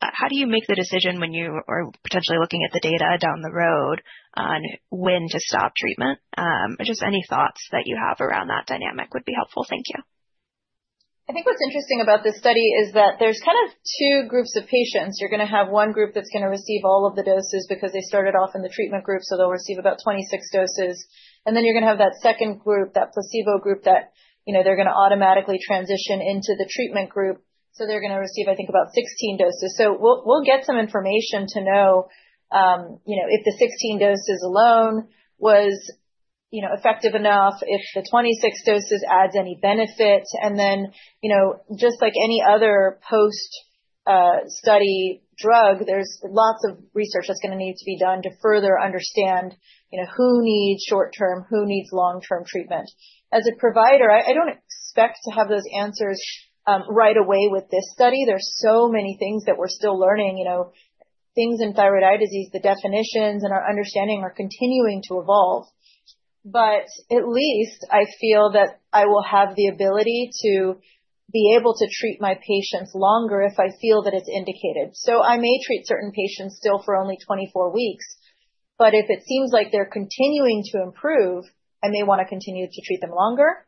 How do you make the decision when you are potentially looking at the data down the road on when to stop treatment? Just any thoughts that you have around that dynamic would be helpful. Thank you. I think what's interesting about this study is that there's kind of two groups of patients. You're going to have one group that's going to receive all of the doses because they started off in the treatment group, so they'll receive about 26 doses. And then you're going to have that second group, that placebo group that they're going to automatically transition into the treatment group. So they're going to receive, I think, about 16 doses. So we'll get some information to know if the 16 doses alone was effective enough, if the 26 doses adds any benefit. And then just like any other post-study drug, there's lots of research that's going to need to be done to further understand who needs short-term, who needs long-term treatment. As a provider, I don't expect to have those answers right away with this study. There's so many things that we're still learning. Things in thyroid eye disease, the definitions and our understanding are continuing to evolve. But at least I feel that I will have the ability to be able to treat my patients longer if I feel that it's indicated. So I may treat certain patients still for only 24 weeks, but if it seems like they're continuing to improve, I may want to continue to treat them longer.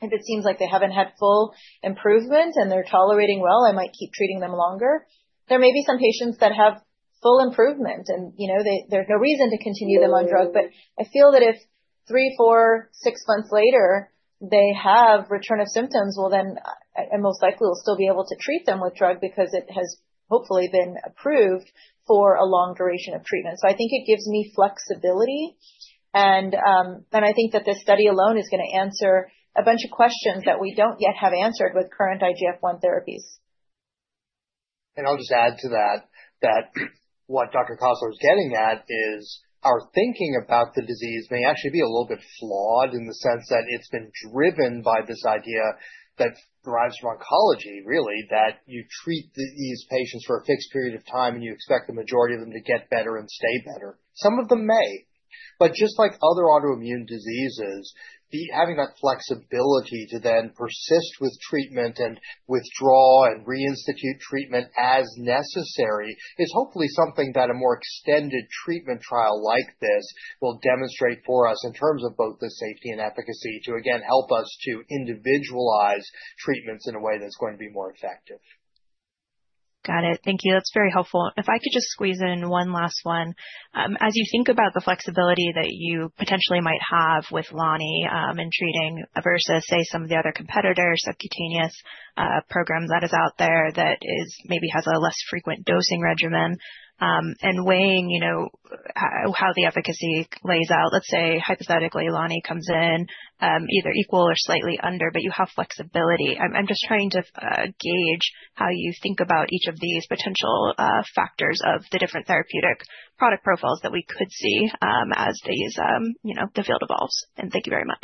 If it seems like they haven't had full improvement and they're tolerating well, I might keep treating them longer. There may be some patients that have full improvement, and there's no reason to continue them on drug. But I feel that if three, four, six months later, they have return of symptoms, well, then I most likely will still be able to treat them with drug because it has hopefully been approved for a long duration of treatment. So I think it gives me flexibility. And I think that this study alone is going to answer a bunch of questions that we don't yet have answered with current IGF-1 therapies. And I'll just add to that that what Dr. Kossler is getting at is our thinking about the disease may actually be a little bit flawed in the sense that it's been driven by this idea that derives from oncology, really, that you treat these patients for a fixed period of time and you expect the majority of them to get better and stay better. Some of them may. But just like other autoimmune diseases, having that flexibility to then persist with treatment and withdraw and reinstitute treatment as necessary is hopefully something that a more extended treatment trial like this will demonstrate for us in terms of both the safety and efficacy to, again, help us to individualize treatments in a way that's going to be more effective. Got it. Thank you. That's very helpful. If I could just squeeze in one last one? As you think about the flexibility that you potentially might have with lonigutamab in treating versus, say, some of the other competitor subcutaneous programs that are out there that maybe have a less frequent dosing regimen and weighing how the efficacy lays out, let's say, hypothetically, lonigutamab comes in either equal or slightly under, but you have flexibility. I'm just trying to gauge how you think about each of these potential factors of the different therapeutic product profiles that we could see as the field evolves. And thank you very much.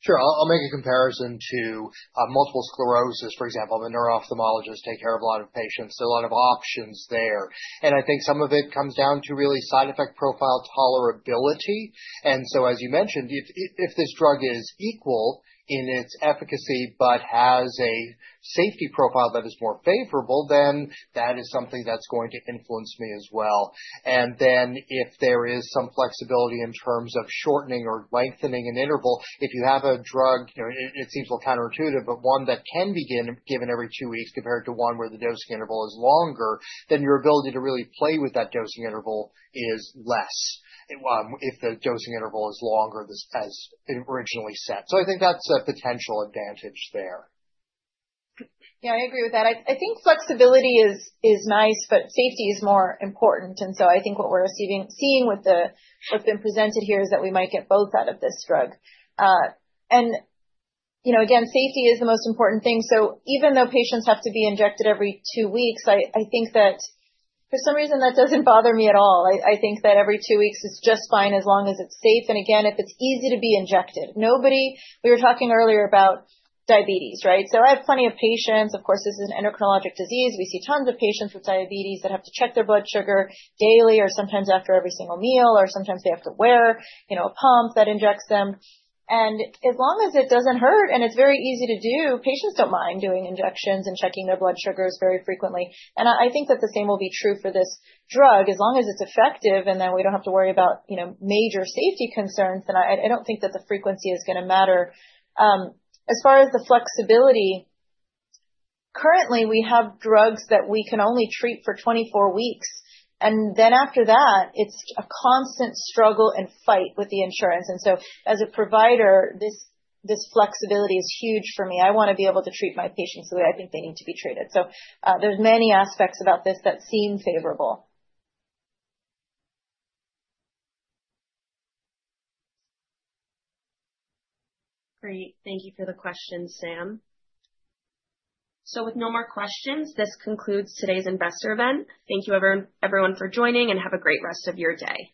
Sure. I'll make a comparison to multiple sclerosis, for example. I'm a neuro-ophthalmologist, take care of a lot of patients. There are a lot of options there. And I think some of it comes down to really side effect profile tolerability. As you mentioned, if this drug is equal in its efficacy but has a safety profile that is more favorable, then that is something that's going to influence me as well. If there is some flexibility in terms of shortening or lengthening an interval, if you have a drug, it seems a little counterintuitive, but one that can be given every two weeks compared to one where the dosing interval is longer, then your ability to really play with that dosing interval is less if the dosing interval is longer as originally set. I think that's a potential advantage there. Yeah, I agree with that. I think flexibility is nice, but safety is more important. What we're seeing with what's been presented here is that we might get both out of this drug. Safety is the most important thing. So even though patients have to be injected every two weeks, I think that for some reason that doesn't bother me at all. I think that every two weeks is just fine as long as it's safe. And again, if it's easy to be injected. We were talking earlier about diabetes, right? So I have plenty of patients. Of course, this is an endocrinologic disease. We see tons of patients with diabetes that have to check their blood sugar daily or sometimes after every single meal, or sometimes they have to wear a pump that injects them. And as long as it doesn't hurt and it's very easy to do, patients don't mind doing injections and checking their blood sugars very frequently. And I think that the same will be true for this drug. As long as it's effective and then we don't have to worry about major safety concerns, then I don't think that the frequency is going to matter. As far as the flexibility, currently, we have drugs that we can only treat for 24 weeks. And then after that, it's a constant struggle and fight with the insurance. And so as a provider, this flexibility is huge for me. I want to be able to treat my patients the way I think they need to be treated. So there's many aspects about this that seem favorable. Great. Thank you for the questions, Sam. So with no more questions, this concludes today's investor event. Thank you, everyone, for joining, and have a great rest of your day.